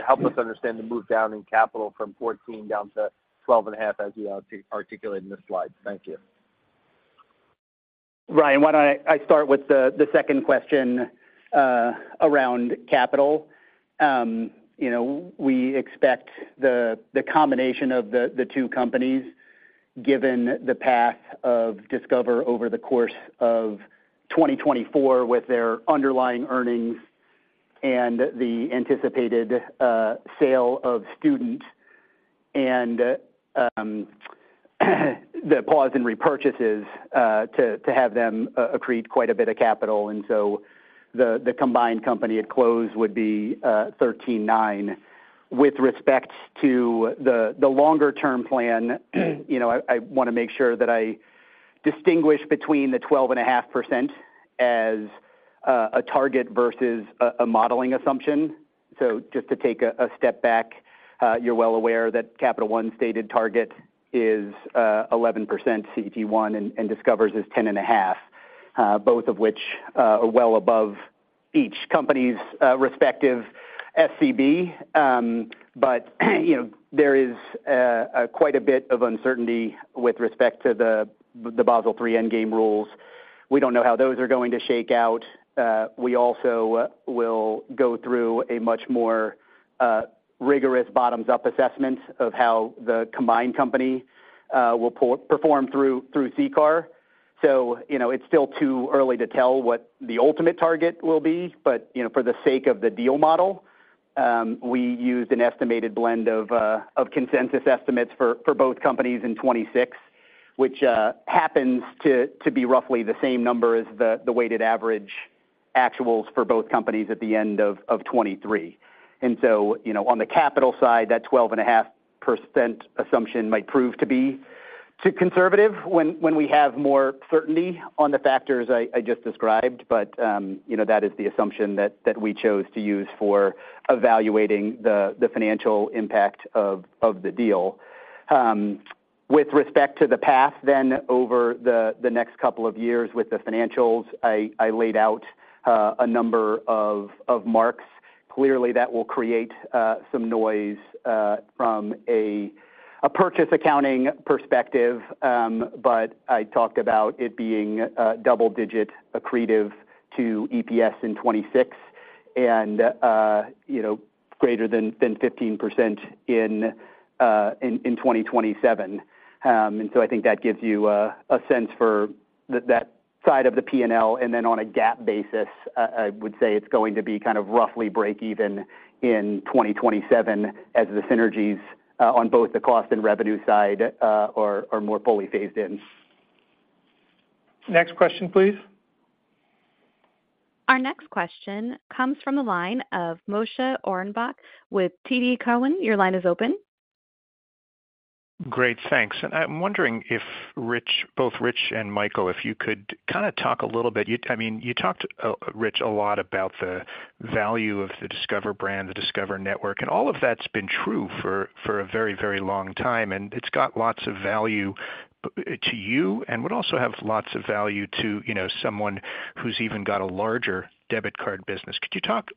help us understand the move down in capital from 14 down to 12.5 as you articulate in the slides. Thank you. Ryan, why don't I start with the second question around capital? We expect the combination of the two companies, given the path of Discover over the course of 2024 with their underlying earnings and the anticipated sale of Student and the pause in repurchases to have them accrete quite a bit of capital. And so the combined company at close would be 13.9. With respect to the longer-term plan, I want to make sure that I distinguish between the 12.5% as a target versus a modeling assumption. So just to take a step back, you're well aware that Capital One's stated target is 11% CET1, and Discover's is 10.5%, both of which are well above each company's respective SCB. But there is quite a bit of uncertainty with respect to the Basel III endgame rules. We don't know how those are going to shake out. We also will go through a much more rigorous bottoms-up assessment of how the combined company will perform through CCAR. So it's still too early to tell what the ultimate target will be. But for the sake of the deal model, we used an estimated blend of consensus estimates for both companies in 2026, which happens to be roughly the same number as the weighted average actuals for both companies at the end of 2023. So on the capital side, that 12.5% assumption might prove to be too conservative when we have more certainty on the factors I just described. But that is the assumption that we chose to use for evaluating the financial impact of the deal. With respect to the path then over the next couple of years with the financials, I laid out a number of marks. Clearly, that will create some noise from a purchase accounting perspective. But I talked about it being double-digit accretive to EPS in 2026 and greater than 15% in 2027. And so I think that gives you a sense for that side of the P&L. And then on a gap basis, I would say it's going to be kind of roughly break-even in 2027 as the synergies on both the cost and revenue side are more fully phased in. Next question, please. Our next question comes from the line of Moshe Orenbuch with TD Cowen. Your line is open. Great. Thanks. And I'm wondering if Rich, both Rich and Michael, if you could kind of talk a little bit. I mean, you talked, Rich, a lot about the value of the Discover brand, the Discover network. And all of that's been true for a very, very long time. And it's got lots of value to you and would also have lots of value to someone who's even got a larger debit card business. Could you talk,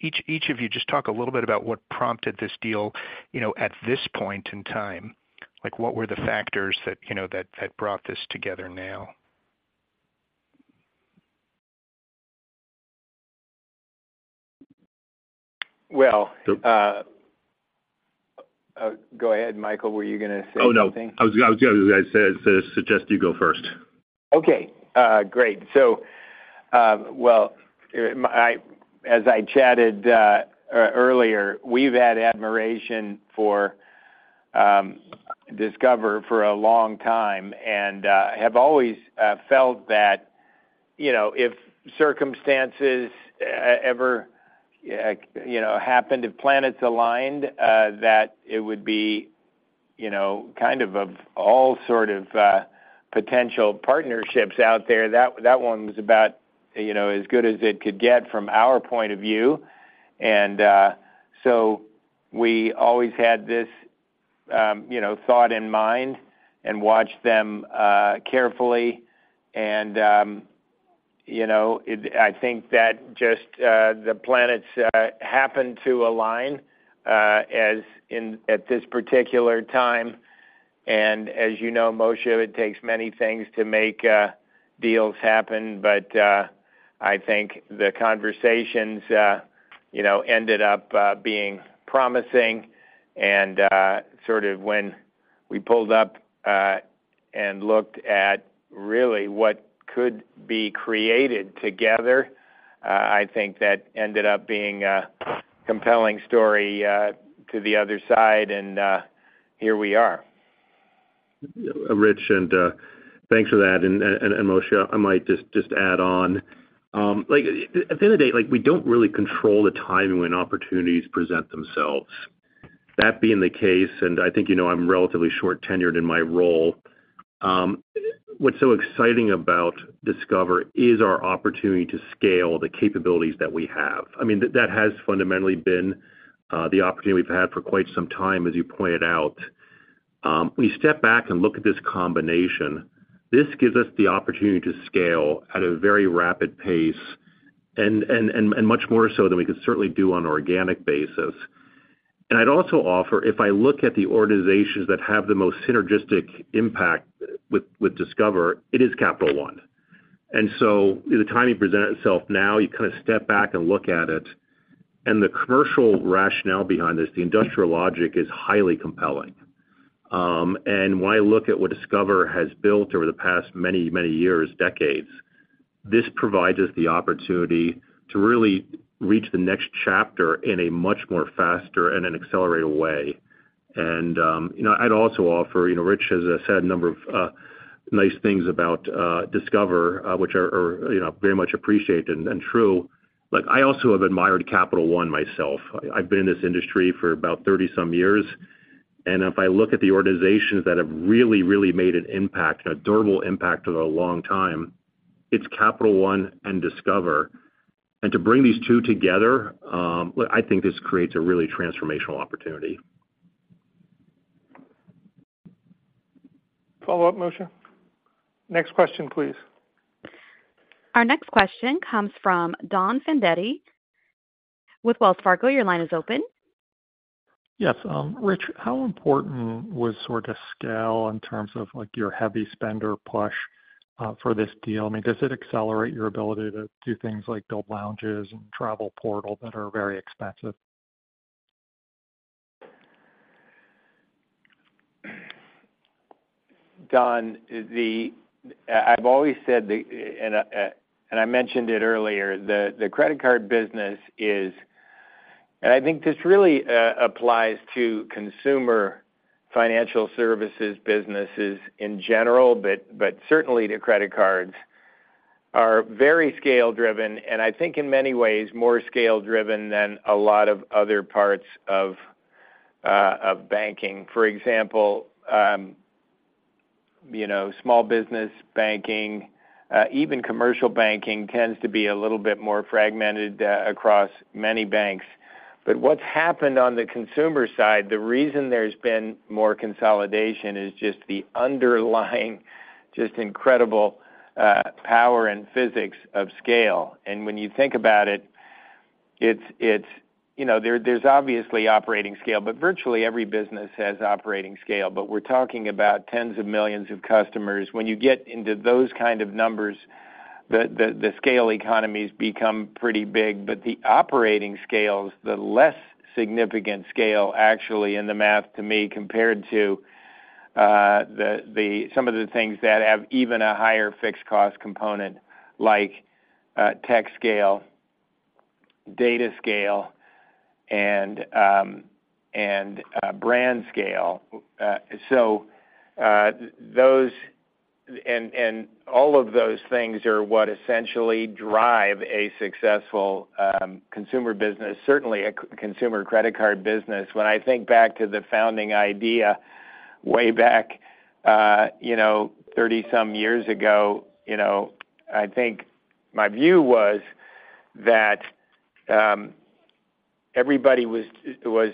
each of you, just talk a little bit about what prompted this deal at this point in time? What were the factors that brought this together now? Well. Go ahead, Michael. Were you going to say something? Oh, no. I was going to suggest you go first. Okay. Great. So, well, as I chatted earlier, we've had admiration for Discover for a long time and have always felt that if circumstances ever happened, if planets aligned, that it would be kind of of all sort of potential partnerships out there. That one was about as good as it could get from our point of view. And so we always had this thought in mind and watched them carefully. And I think that just the planets happen to align at this particular time. And as you know, Moshe, it takes many things to make deals happen. But I think the conversations ended up being promising. And sort of when we pulled up and looked at really what could be created together, I think that ended up being a compelling story to the other side. And here we are. Rich, and thanks for that. And Moshe, I might just add on. At the end of the day, we don't really control the timing when opportunities present themselves. That being the case, and I think I'm relatively short-tenured in my role, what's so exciting about Discover is our opportunity to scale the capabilities that we have. I mean, that has fundamentally been the opportunity we've had for quite some time, as you pointed out. When you step back and look at this combination, this gives us the opportunity to scale at a very rapid pace and much more so than we could certainly do on an organic basis. I'd also offer, if I look at the organizations that have the most synergistic impact with Discover, it is Capital One. So the timing presented itself now, you kind of step back and look at it. The commercial rationale behind this, the industrial logic, is highly compelling. When I look at what Discover has built over the past many, many years, decades, this provides us the opportunity to really reach the next chapter in a much more faster and an accelerated way. I'd also offer, Rich has said a number of nice things about Discover, which are very much appreciated and true. I also have admired Capital One myself. I've been in this industry for about 30-some years. If I look at the organizations that have really, really made an impact, a durable impact over a long time, it's Capital One and Discover. And to bring these two together, I think this creates a really transformational opportunity. Follow-up, Moshe. Next question, please. Our next question comes from Don Fandetti with Wells Fargo. Your line is open. Yes. Rich, how important was sort of scale in terms of your heavy spender plus for this deal? I mean, does it accelerate your ability to do things like build lounges and travel portal that are very expensive? Don, I've always said, and I mentioned it earlier, the credit card business is, and I think this really applies to consumer financial services businesses in general, but certainly to credit cards, are very scale-driven. And I think in many ways, more scale-driven than a lot of other parts of banking. For example, small business banking, even commercial banking, tends to be a little bit more fragmented across many banks. But what's happened on the consumer side, the reason there's been more consolidation is just the underlying, just incredible power and physics of scale. And when you think about it, there's obviously operating scale, but virtually every business has operating scale. But we're talking about tens of millions of customers. When you get into those kind of numbers, the scale economies become pretty big. But the operating scales, the less significant scale actually in the math to me compared to some of the things that have even a higher fixed cost component like tech scale, data scale, and brand scale. So all of those things are what essentially drive a successful consumer business, certainly a consumer credit card business. When I think back to the founding idea way back 30-some years ago, I think my view was that everybody was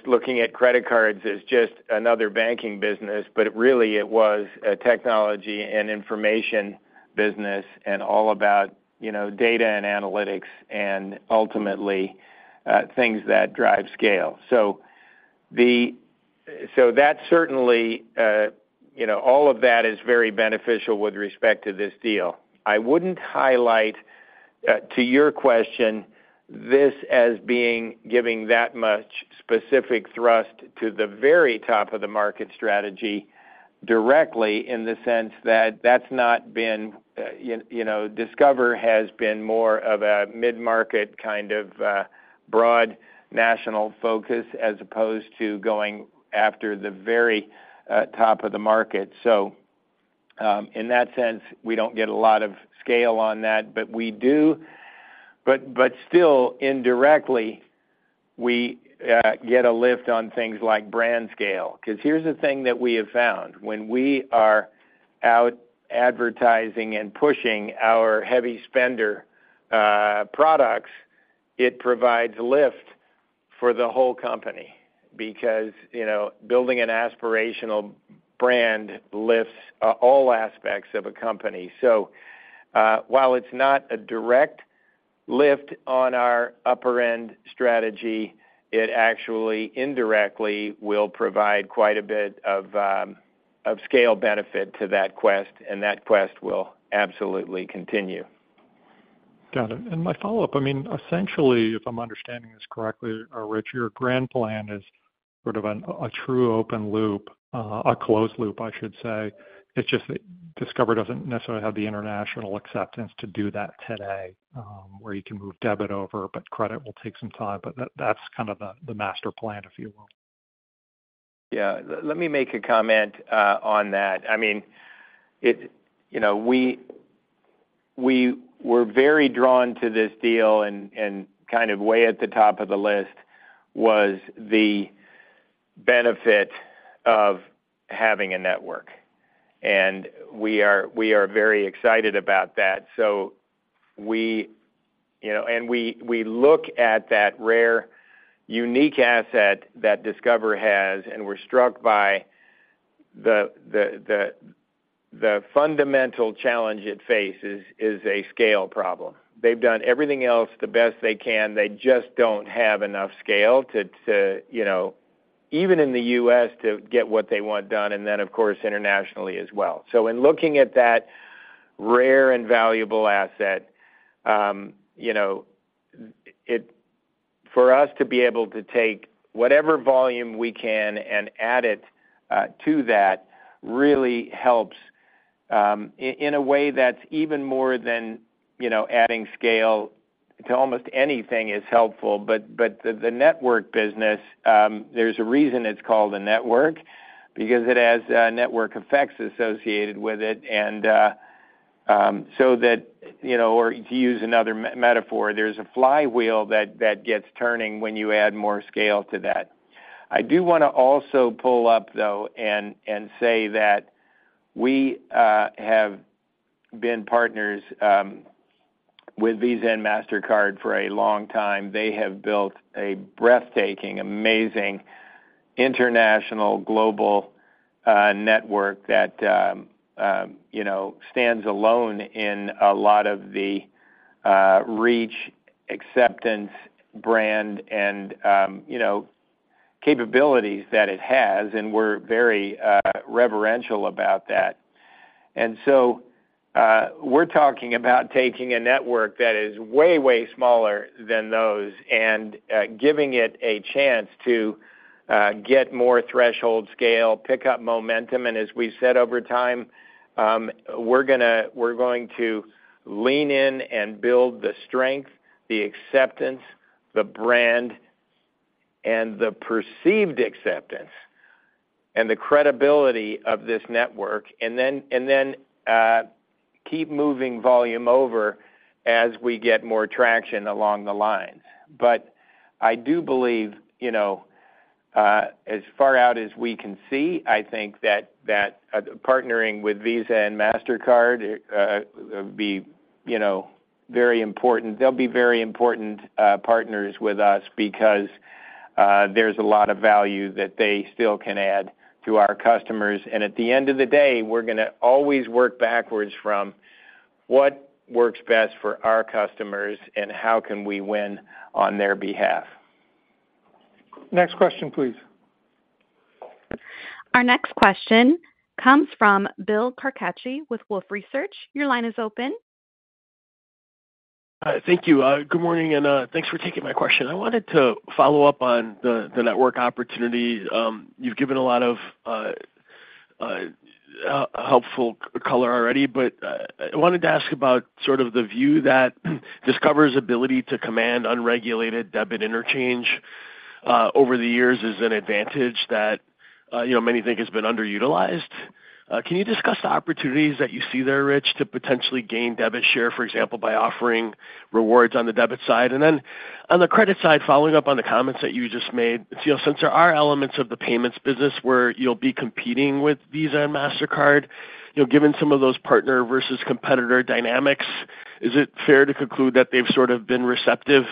looking at credit cards as just another banking business, but really, it was a technology and information business and all about data and analytics and ultimately things that drive scale. So that certainly, all of that is very beneficial with respect to this deal. I wouldn't highlight, to your question, this as being giving that much specific thrust to the very top of the market strategy directly, in the sense that that's not been. Discover has been more of a mid-market kind of broad national focus as opposed to going after the very top of the market. So in that sense, we don't get a lot of scale on that. But still, indirectly, we get a lift on things like brand scale. Because here's the thing that we have found. When we are out advertising and pushing our heavy spender products, it provides lift for the whole company because building an aspirational brand lifts all aspects of a company. So while it's not a direct lift on our upper-end strategy, it actually indirectly will provide quite a bit of scale benefit to that quest. And that quest will absolutely continue. Got it. And my follow-up, I mean, essentially, if I'm understanding this correctly, Rich, your grand plan is sort of a true open loop, a closed loop, I should say. It's just that Discover doesn't necessarily have the international acceptance to do that today where you can move debit over, but credit will take some time. But that's kind of the master plan, if you will. Yeah. Let me make a comment on that. I mean, we were very drawn to this deal. And kind of way at the top of the list was the benefit of having a network. And we are very excited about that. And we look at that rare, unique asset that Discover has, and we're struck by the fundamental challenge it faces is a scale problem. They've done everything else the best they can. They just don't have enough scale to, even in the U.S., to get what they want done. And then, of course, internationally as well. So in looking at that rare and valuable asset, for us to be able to take whatever volume we can and add it to that really helps in a way that's even more than adding scale to almost anything is helpful. But the network business, there's a reason it's called a network because it has network effects associated with it. And so that, or to use another metaphor, there's a flywheel that gets turning when you add more scale to that. I do want to also pull up, though, and say that we have been partners with Visa and Mastercard for a long time. They have built a breathtaking, amazing international, global network that stands alone in a lot of the reach, acceptance, brand, and capabilities that it has. And we're very reverential about that. And so we're talking about taking a network that is way, way smaller than those and giving it a chance to get more threshold scale, pick up momentum. And as we've said over time, we're going to lean in and build the strength, the acceptance, the brand, and the perceived acceptance and the credibility of this network, and then keep moving volume over as we get more traction along the lines. But I do believe, as far out as we can see, I think that partnering with Visa and Mastercard would be very important. They'll be very important partners with us because there's a lot of value that they still can add to our customers. And at the end of the day, we're going to always work backwards from what works best for our customers and how can we win on their behalf. Next question, please. Our next question comes from Bill Carcache with Wolfe Research. Your line is open. Thank you. Good morning. And thanks for taking my question. I wanted to follow up on the network opportunity. You've given a lot of helpful color already. But I wanted to ask about sort of the view that Discover's ability to command unregulated debit interchange over the years is an advantage that many think has been underutilized. Can you discuss the opportunities that you see there, Rich, to potentially gain debit share, for example, by offering rewards on the debit side? And then on the credit side, following up on the comments that you just made, since there are elements of the payments business where you'll be competing with Visa and Mastercard, given some of those partner versus competitor dynamics, is it fair to conclude that they've sort of been receptive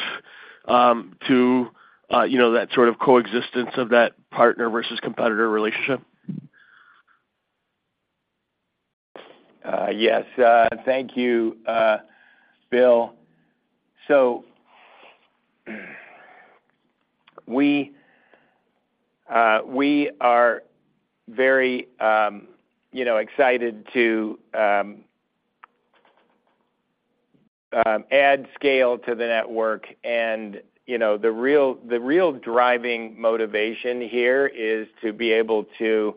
to that sort of coexistence of that partner versus competitor relationship? Yes. Thank you, Bill. So we are very excited to add scale to the network. The real driving motivation here is to be able to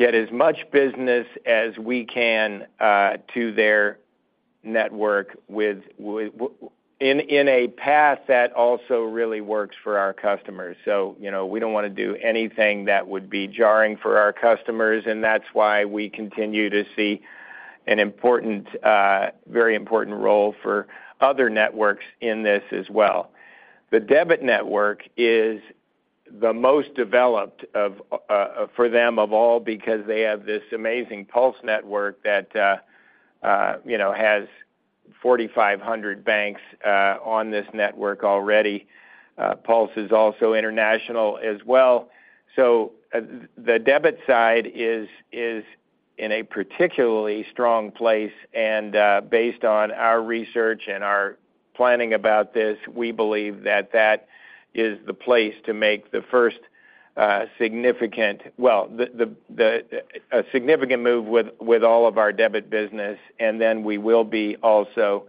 get as much business as we can to their network in a path that also really works for our customers. So we don't want to do anything that would be jarring for our customers. That's why we continue to see a very important role for other networks in this as well. The debit network is the most developed for them of all because they have this amazing PULSE network that has 4,500 banks on this network already. PULSE is also international as well. The debit side is in a particularly strong place. Based on our research and our planning about this, we believe that that is the place to make the first significant well, a significant move with all of our debit business. Then we will be also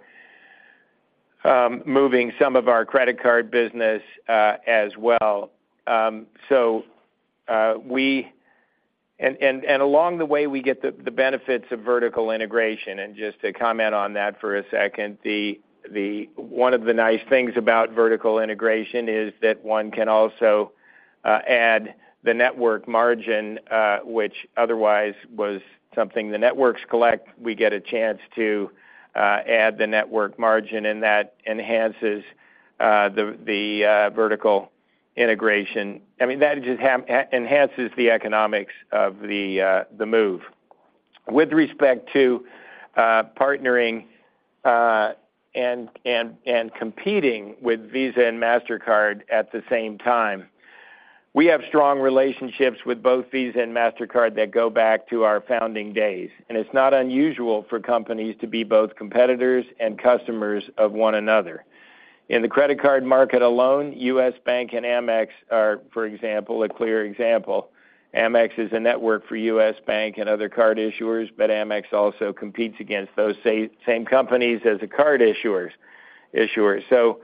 moving some of our credit card business as well. Along the way, we get the benefits of vertical integration. And just to comment on that for a second, one of the nice things about vertical integration is that one can also add the network margin, which otherwise was something the networks collect. We get a chance to add the network margin. And that enhances the vertical integration. I mean, that just enhances the economics of the move. With respect to partnering and competing with Visa and Mastercard at the same time, we have strong relationships with both Visa and Mastercard that go back to our founding days. And it's not unusual for companies to be both competitors and customers of one another. In the credit card market alone, U.S. Bank and Amex are, for example, a clear example. Amex is a network for U.S. Bank and other card issuers. But Amex also competes against those same companies as the card issuers. So,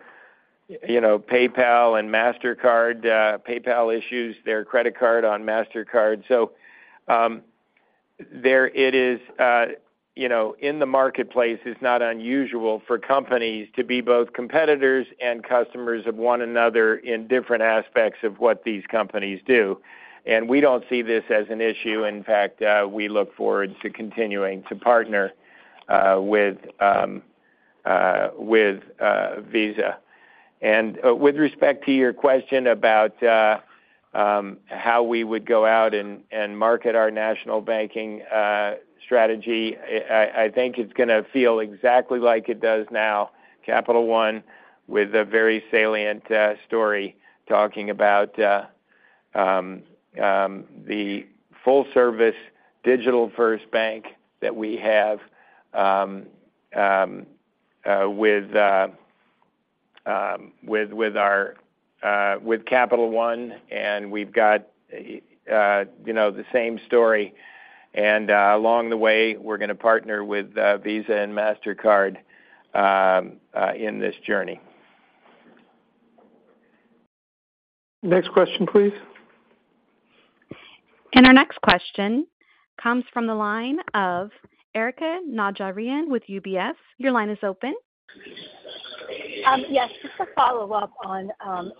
PayPal and Mastercard. PayPal issues their credit card on Mastercard. So, it is in the marketplace. It's not unusual for companies to be both competitors and customers of one another in different aspects of what these companies do. And we don't see this as an issue. In fact, we look forward to continuing to partner with Visa. And with respect to your question about how we would go out and market our national banking strategy, I think it's going to feel exactly like it does now, Capital One, with a very salient story talking about the full-service digital-first bank that we have with Capital One. And we've got the same story. And along the way, we're going to partner with Visa and Mastercard in this journey. Next question, please. And our next question comes from the line of Erika Najarian with UBS. Your line is open. Yes. Just a follow-up on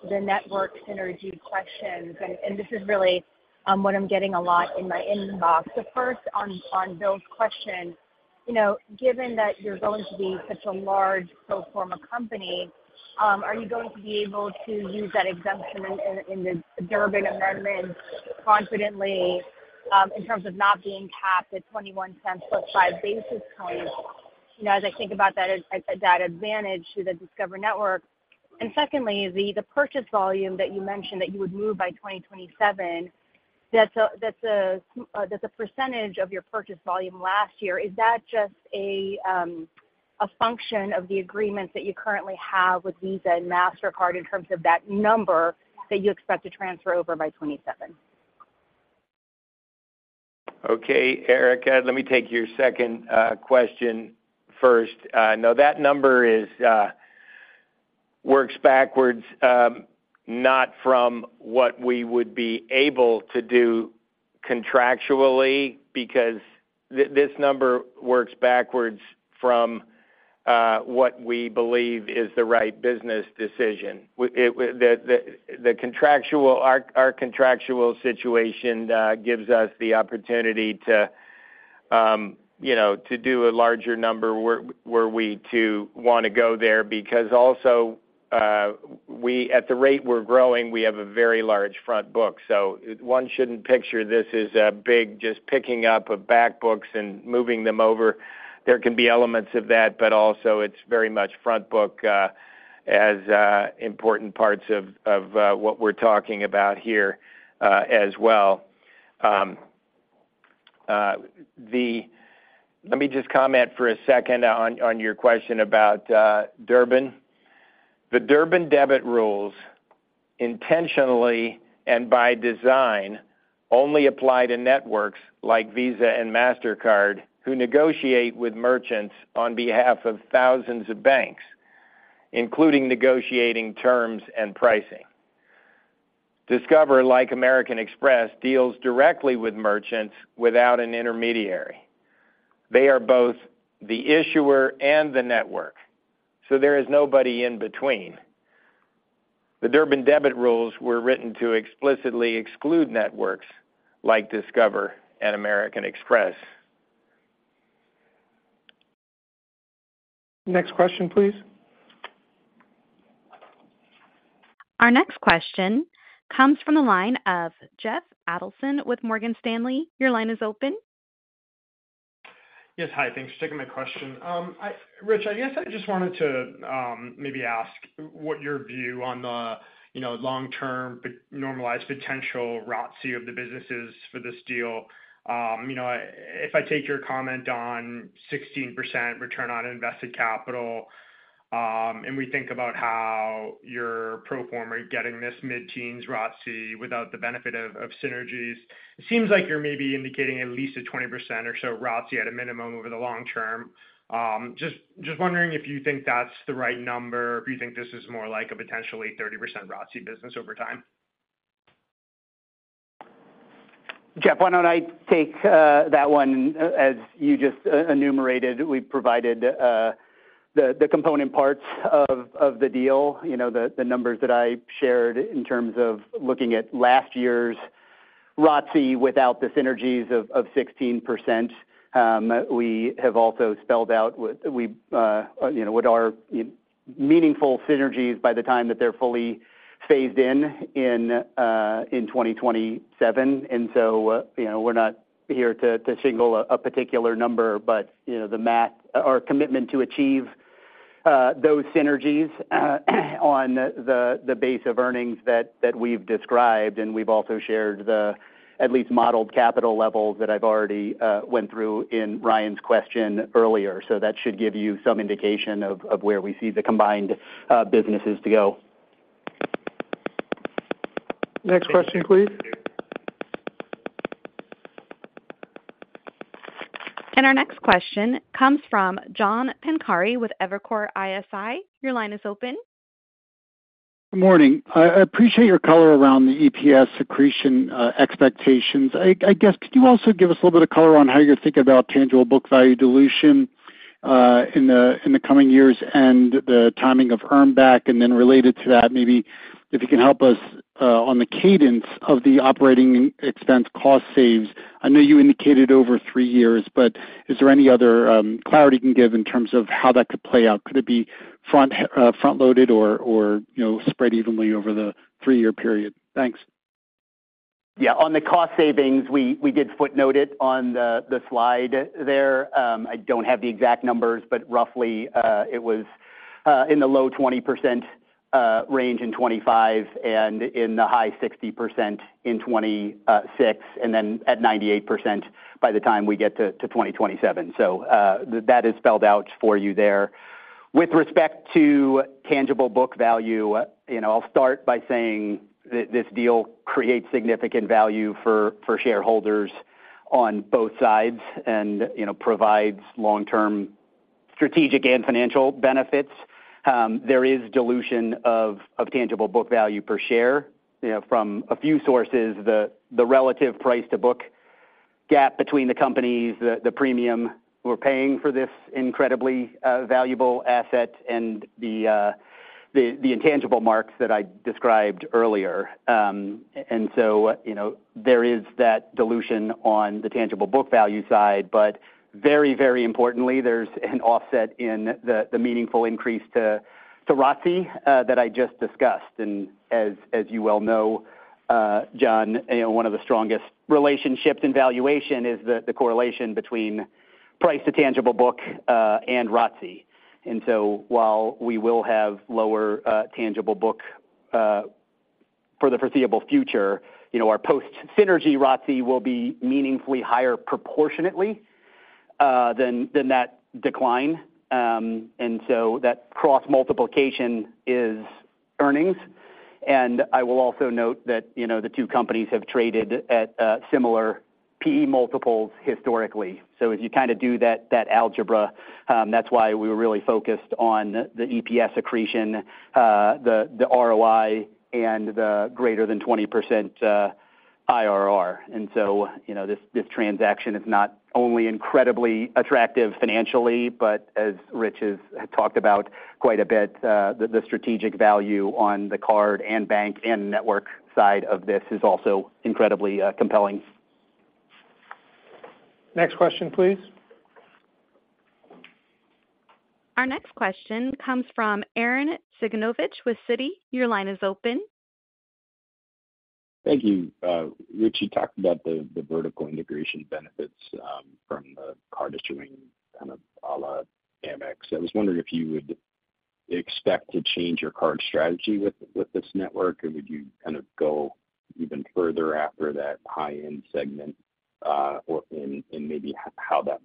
the network synergy questions. And this is really what I'm getting a lot in my inbox. But first, on Bill's question, given that you're going to be such a large pro forma company, are you going to be able to use that exemption in the Durbin Amendment confidently in terms of not being capped at $0.21 + 5 basis points? As I think about that advantage to the Discover Network, and secondly, the purchase volume that you mentioned that you would move by 2027, that's a percentage of your purchase volume last year. Is that just a function of the agreements that you currently have with Visa and Mastercard in terms of that number that you expect to transfer over by 2027? Okay, Erica. Let me take your second question first. No, that number works backwards, not from what we would be able to do contractually because this number works backwards from what we believe is the right business decision. Our contractual situation gives us the opportunity to do a larger number were we to want to go there because also, at the rate we're growing, we have a very large front book. So one shouldn't picture this as big just picking up backbooks and moving them over. There can be elements of that. But also, it's very much front book as important parts of what we're talking about here as well. Let me just comment for a second on your question about Durbin. The Durbin debit rules intentionally and by design only apply to networks like Visa and Mastercard who negotiate with merchants on behalf of thousands of banks, including negotiating terms and pricing. Discover, like American Express, deals directly with merchants without an intermediary. They are both the issuer and the network. So there is nobody in between. The Durbin debit rules were written to explicitly exclude networks like Discover and American Express. Next question, please. Our next question comes from the line of Jeff Adelson with Morgan Stanley. Your line is open. Yes. Hi. Thanks for taking my question. Rich, I guess I just wanted to maybe ask what your view on the long-term normalized potential ROTCE of the businesses for this deal. If I take your comment on 16% return on invested capital and we think about how you're pro forma getting this mid-teens ROTCE without the benefit of synergies, it seems like you're maybe indicating at least a 20% or so ROTCE at a minimum over the long term. Just wondering if you think that's the right number, if you think this is more like a potentially 30% ROTCE business over time. Jeff, why don't I take that one? As you just enumerated, we provided the component parts of the deal, the numbers that I shared in terms of looking at last year's ROTCE without the synergies of 16%. We have also spelled out what are meaningful synergies by the time that they're fully phased in in 2027. So we're not here to shill a particular number, but the math, our commitment to achieve those synergies on the base of earnings that we've described. And we've also shared the at least modeled capital levels that I've already went through in Ryan's question earlier. So that should give you some indication of where we see the combined businesses to go. Next question, please. And our next question comes from John Pancari with Evercore ISI. Your line is open. Good morning. I appreciate your color around the EPS accretion expectations. I guess, could you also give us a little bit of color on how you're thinking about tangible book value dilution in the coming years and the timing of earnback? And then related to that, maybe if you can help us on the cadence of the operating expense cost savings. I know you indicated over three years, but is there any other clarity you can give in terms of how that could play out? Could it be front-loaded or spread evenly over the three-year period? Thanks. Yeah. On the cost savings, we did footnote it on the slide there. I don't have the exact numbers, but roughly, it was in the low 20% range in 2025 and in the high 60% in 2026 and then at 98% by the time we get to 2027. So that is spelled out for you there. With respect to tangible book value, I'll start by saying that this deal creates significant value for shareholders on both sides and provides long-term strategic and financial benefits. There is dilution of tangible book value per share from a few sources, the relative price-to-book gap between the companies, the premium we're paying for this incredibly valuable asset, and the intangible marks that I described earlier. And so there is that dilution on the tangible book value side. But very, very importantly, there's an offset in the meaningful increase to ROTCE that I just discussed. And as you well know, John, one of the strongest relationships in valuation is the correlation between price to tangible book and ROTCE. And so while we will have lower tangible book for the foreseeable future, our post-synergy ROTCE will be meaningfully higher proportionately than that decline. And so that cross-multiplication is earnings. And I will also note that the two companies have traded at similar PE multiples historically. So as you kind of do that algebra, that's why we were really focused on the EPS accretion, the ROI, and the greater than 20% IRR. And so this transaction is not only incredibly attractive financially, but as Rich has talked about quite a bit, the strategic value on the card and bank and network side of this is also incredibly compelling. Next question, please. Our next question comes from Arren Cyganovich with Citi. Your line is open. Thank you. Rich, you talked about the vertical integration benefits from the card issuing kind of à la Amex. I was wondering if you would expect to change your card strategy with this network, or would you kind of go even further after that high-end segment and maybe how that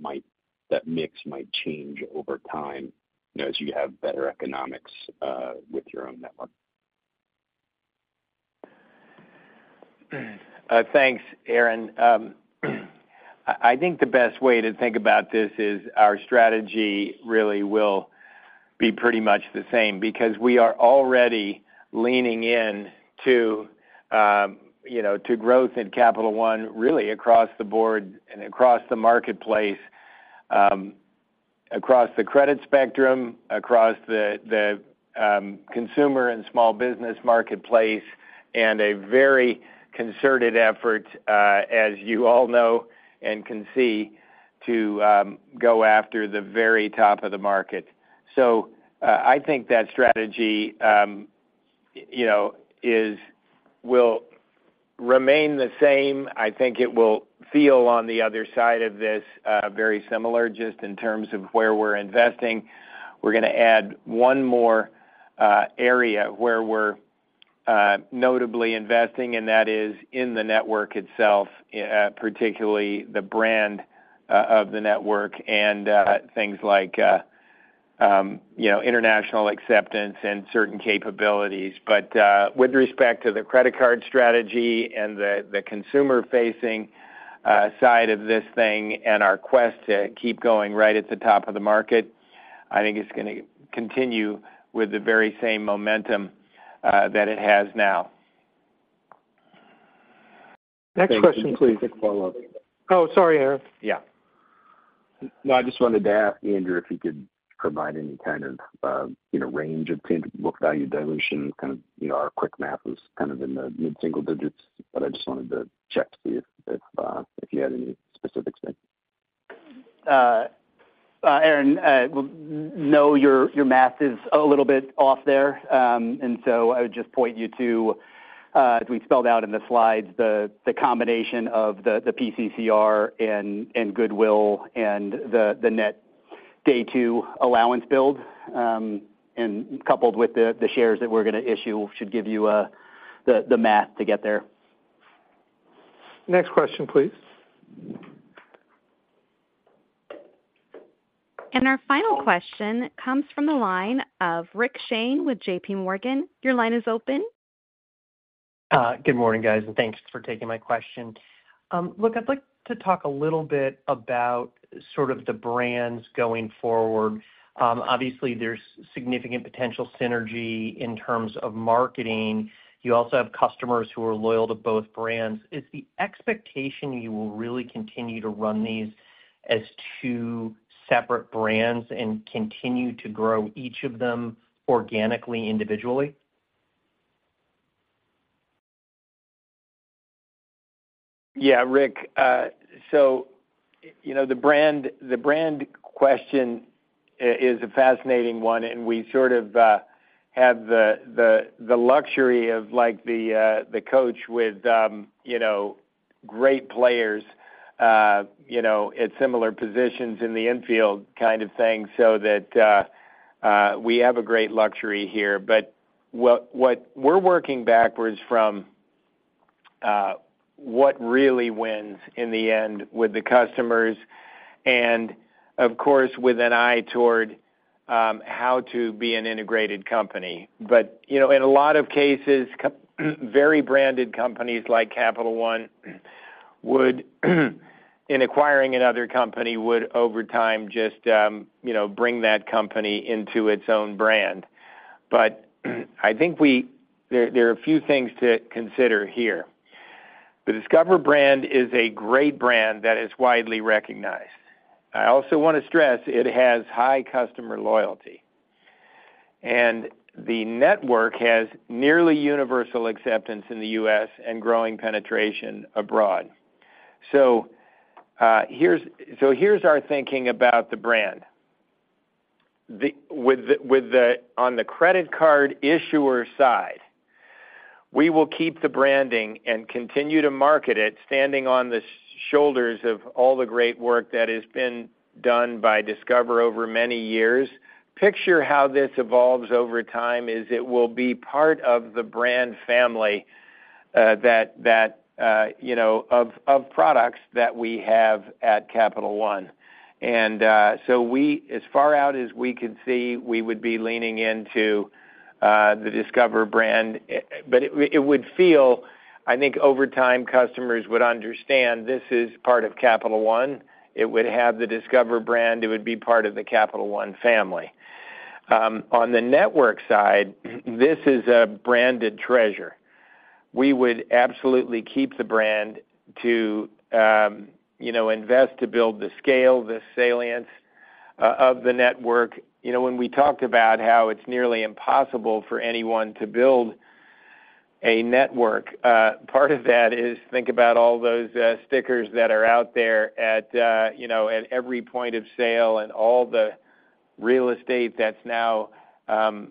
mix might change over time as you have better economics with your own network? Thanks, Arren. I think the best way to think about this is our strategy really will be pretty much the same because we are already leaning in to growth in Capital One really across the board and across the marketplace, across the credit spectrum, across the consumer and small business marketplace, and a very concerted effort, as you all know and can see, to go after the very top of the market. So I think that strategy will remain the same. I think it will feel on the other side of this very similar just in terms of where we're investing. We're going to add one more area where we're notably investing, and that is in the network itself, particularly the brand of the network and things like international acceptance and certain capabilities. But with respect to the credit card strategy and the consumer-facing side of this thing and our quest to keep going right at the top of the market, I think it's going to continue with the very same momentum that it has now. Next question, please. Quick follow-up. Oh, sorry, Arren. Yeah. No, I just wanted to ask Andrew if he could provide any kind of range of tangible book value dilution. Kind of our quick math was kind of in the mid-single digits, but I just wanted to check to see if you had any specifics there. Arren, no, your math is a little bit off there. And so I would just point you to, as we spelled out in the slides, the combination of the PCCR and Goodwill and the net day two allowance build. And coupled with the shares that we're going to issue, should give you the math to get there. Next question, please. And our final question comes from the line of Rick Shane with J.P. Morgan. Your line is open. Good morning, guys, and thanks for taking my question. Look, I'd like to talk a little bit about sort of the brands going forward. Obviously, there's significant potential synergy in terms of marketing. You also have customers who are loyal to both brands. Is the expectation you will really continue to run these as two separate brands and continue to grow each of them organically, individually? Yeah, Rick. The brand question is a fascinating one. We sort of have the luxury of the coach with great players at similar positions in the infield kind of thing so that we have a great luxury here. What we're working backwards from is what really wins in the end with the customers and, of course, with an eye toward how to be an integrated company. In a lot of cases, very branded companies like Capital One in acquiring another company would, over time, just bring that company into its own brand. I think there are a few things to consider here. The Discover brand is a great brand that is widely recognized. I also want to stress it has high customer loyalty. The network has nearly universal acceptance in the U.S. and growing penetration abroad. Here's our thinking about the brand. On the credit card issuer side, we will keep the branding and continue to market it standing on the shoulders of all the great work that has been done by Discover over many years. Picture how this evolves over time is it will be part of the brand family of products that we have at Capital One. And so as far out as we can see, we would be leaning into the Discover brand. But it would feel, I think, over time, customers would understand this is part of Capital One. It would have the Discover brand. It would be part of the Capital One family. On the network side, this is a branded treasure. We would absolutely keep the brand to invest to build the scale, the salience of the network. When we talked about how it's nearly impossible for anyone to build a network, part of that is think about all those stickers that are out there at every point of sale and all the real estate that's now on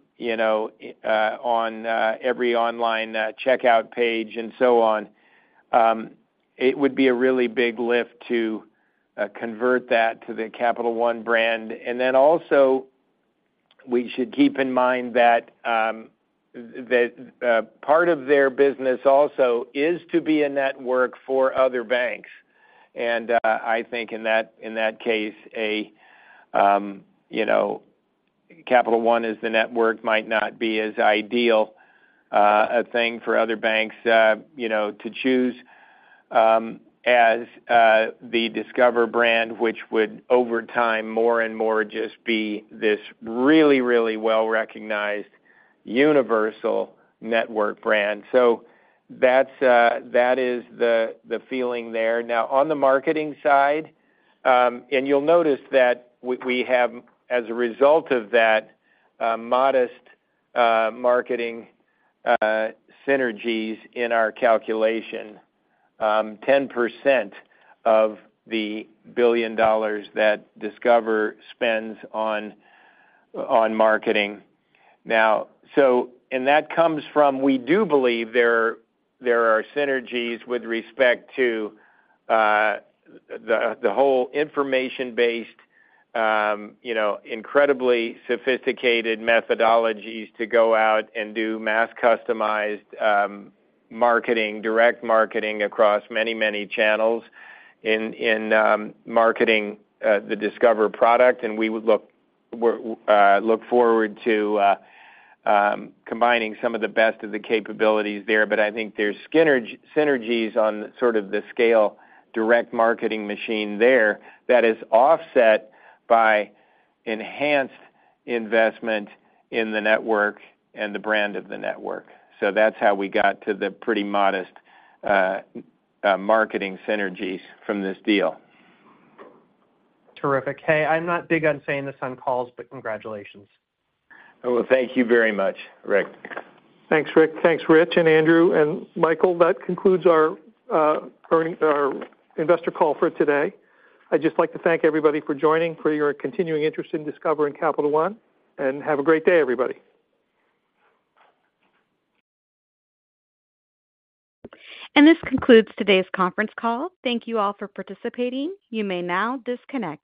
every online checkout page and so on. It would be a really big lift to convert that to the Capital One brand. And then also, we should keep in mind that part of their business also is to be a network for other banks. And I think in that case, Capital One as the network might not be as ideal a thing for other banks to choose as the Discover brand, which would, over time, more and more just be this really, really well-recognized universal network brand. So that is the feeling there. Now, on the marketing side, and you'll notice that we have, as a result of that, modest marketing synergies in our calculation, 10% of the $1 billion that Discover spends on marketing. Now, so and that comes from we do believe there are synergies with respect to the whole information-based, incredibly sophisticated methodologies to go out and do mass-customized marketing, direct marketing across many, many channels in marketing the Discover product. And we would look forward to combining some of the best of the capabilities there. But I think there's synergies on sort of the scale direct marketing machine there that is offset by enhanced investment in the network and the brand of the network. So that's how we got to the pretty modest marketing synergies from this deal. Terrific. Hey, I'm not big on saying this on calls, but congratulations. Well, thank you very much, Rick. Thanks, Rick. Thanks, Rich and Andrew and Michael. That concludes our investor call for today. I'd just like to thank everybody for joining, for your continuing interest in Discover and Capital One, and have a great day, everybody. This concludes today's conference call. Thank you all for participating. You may now disconnect.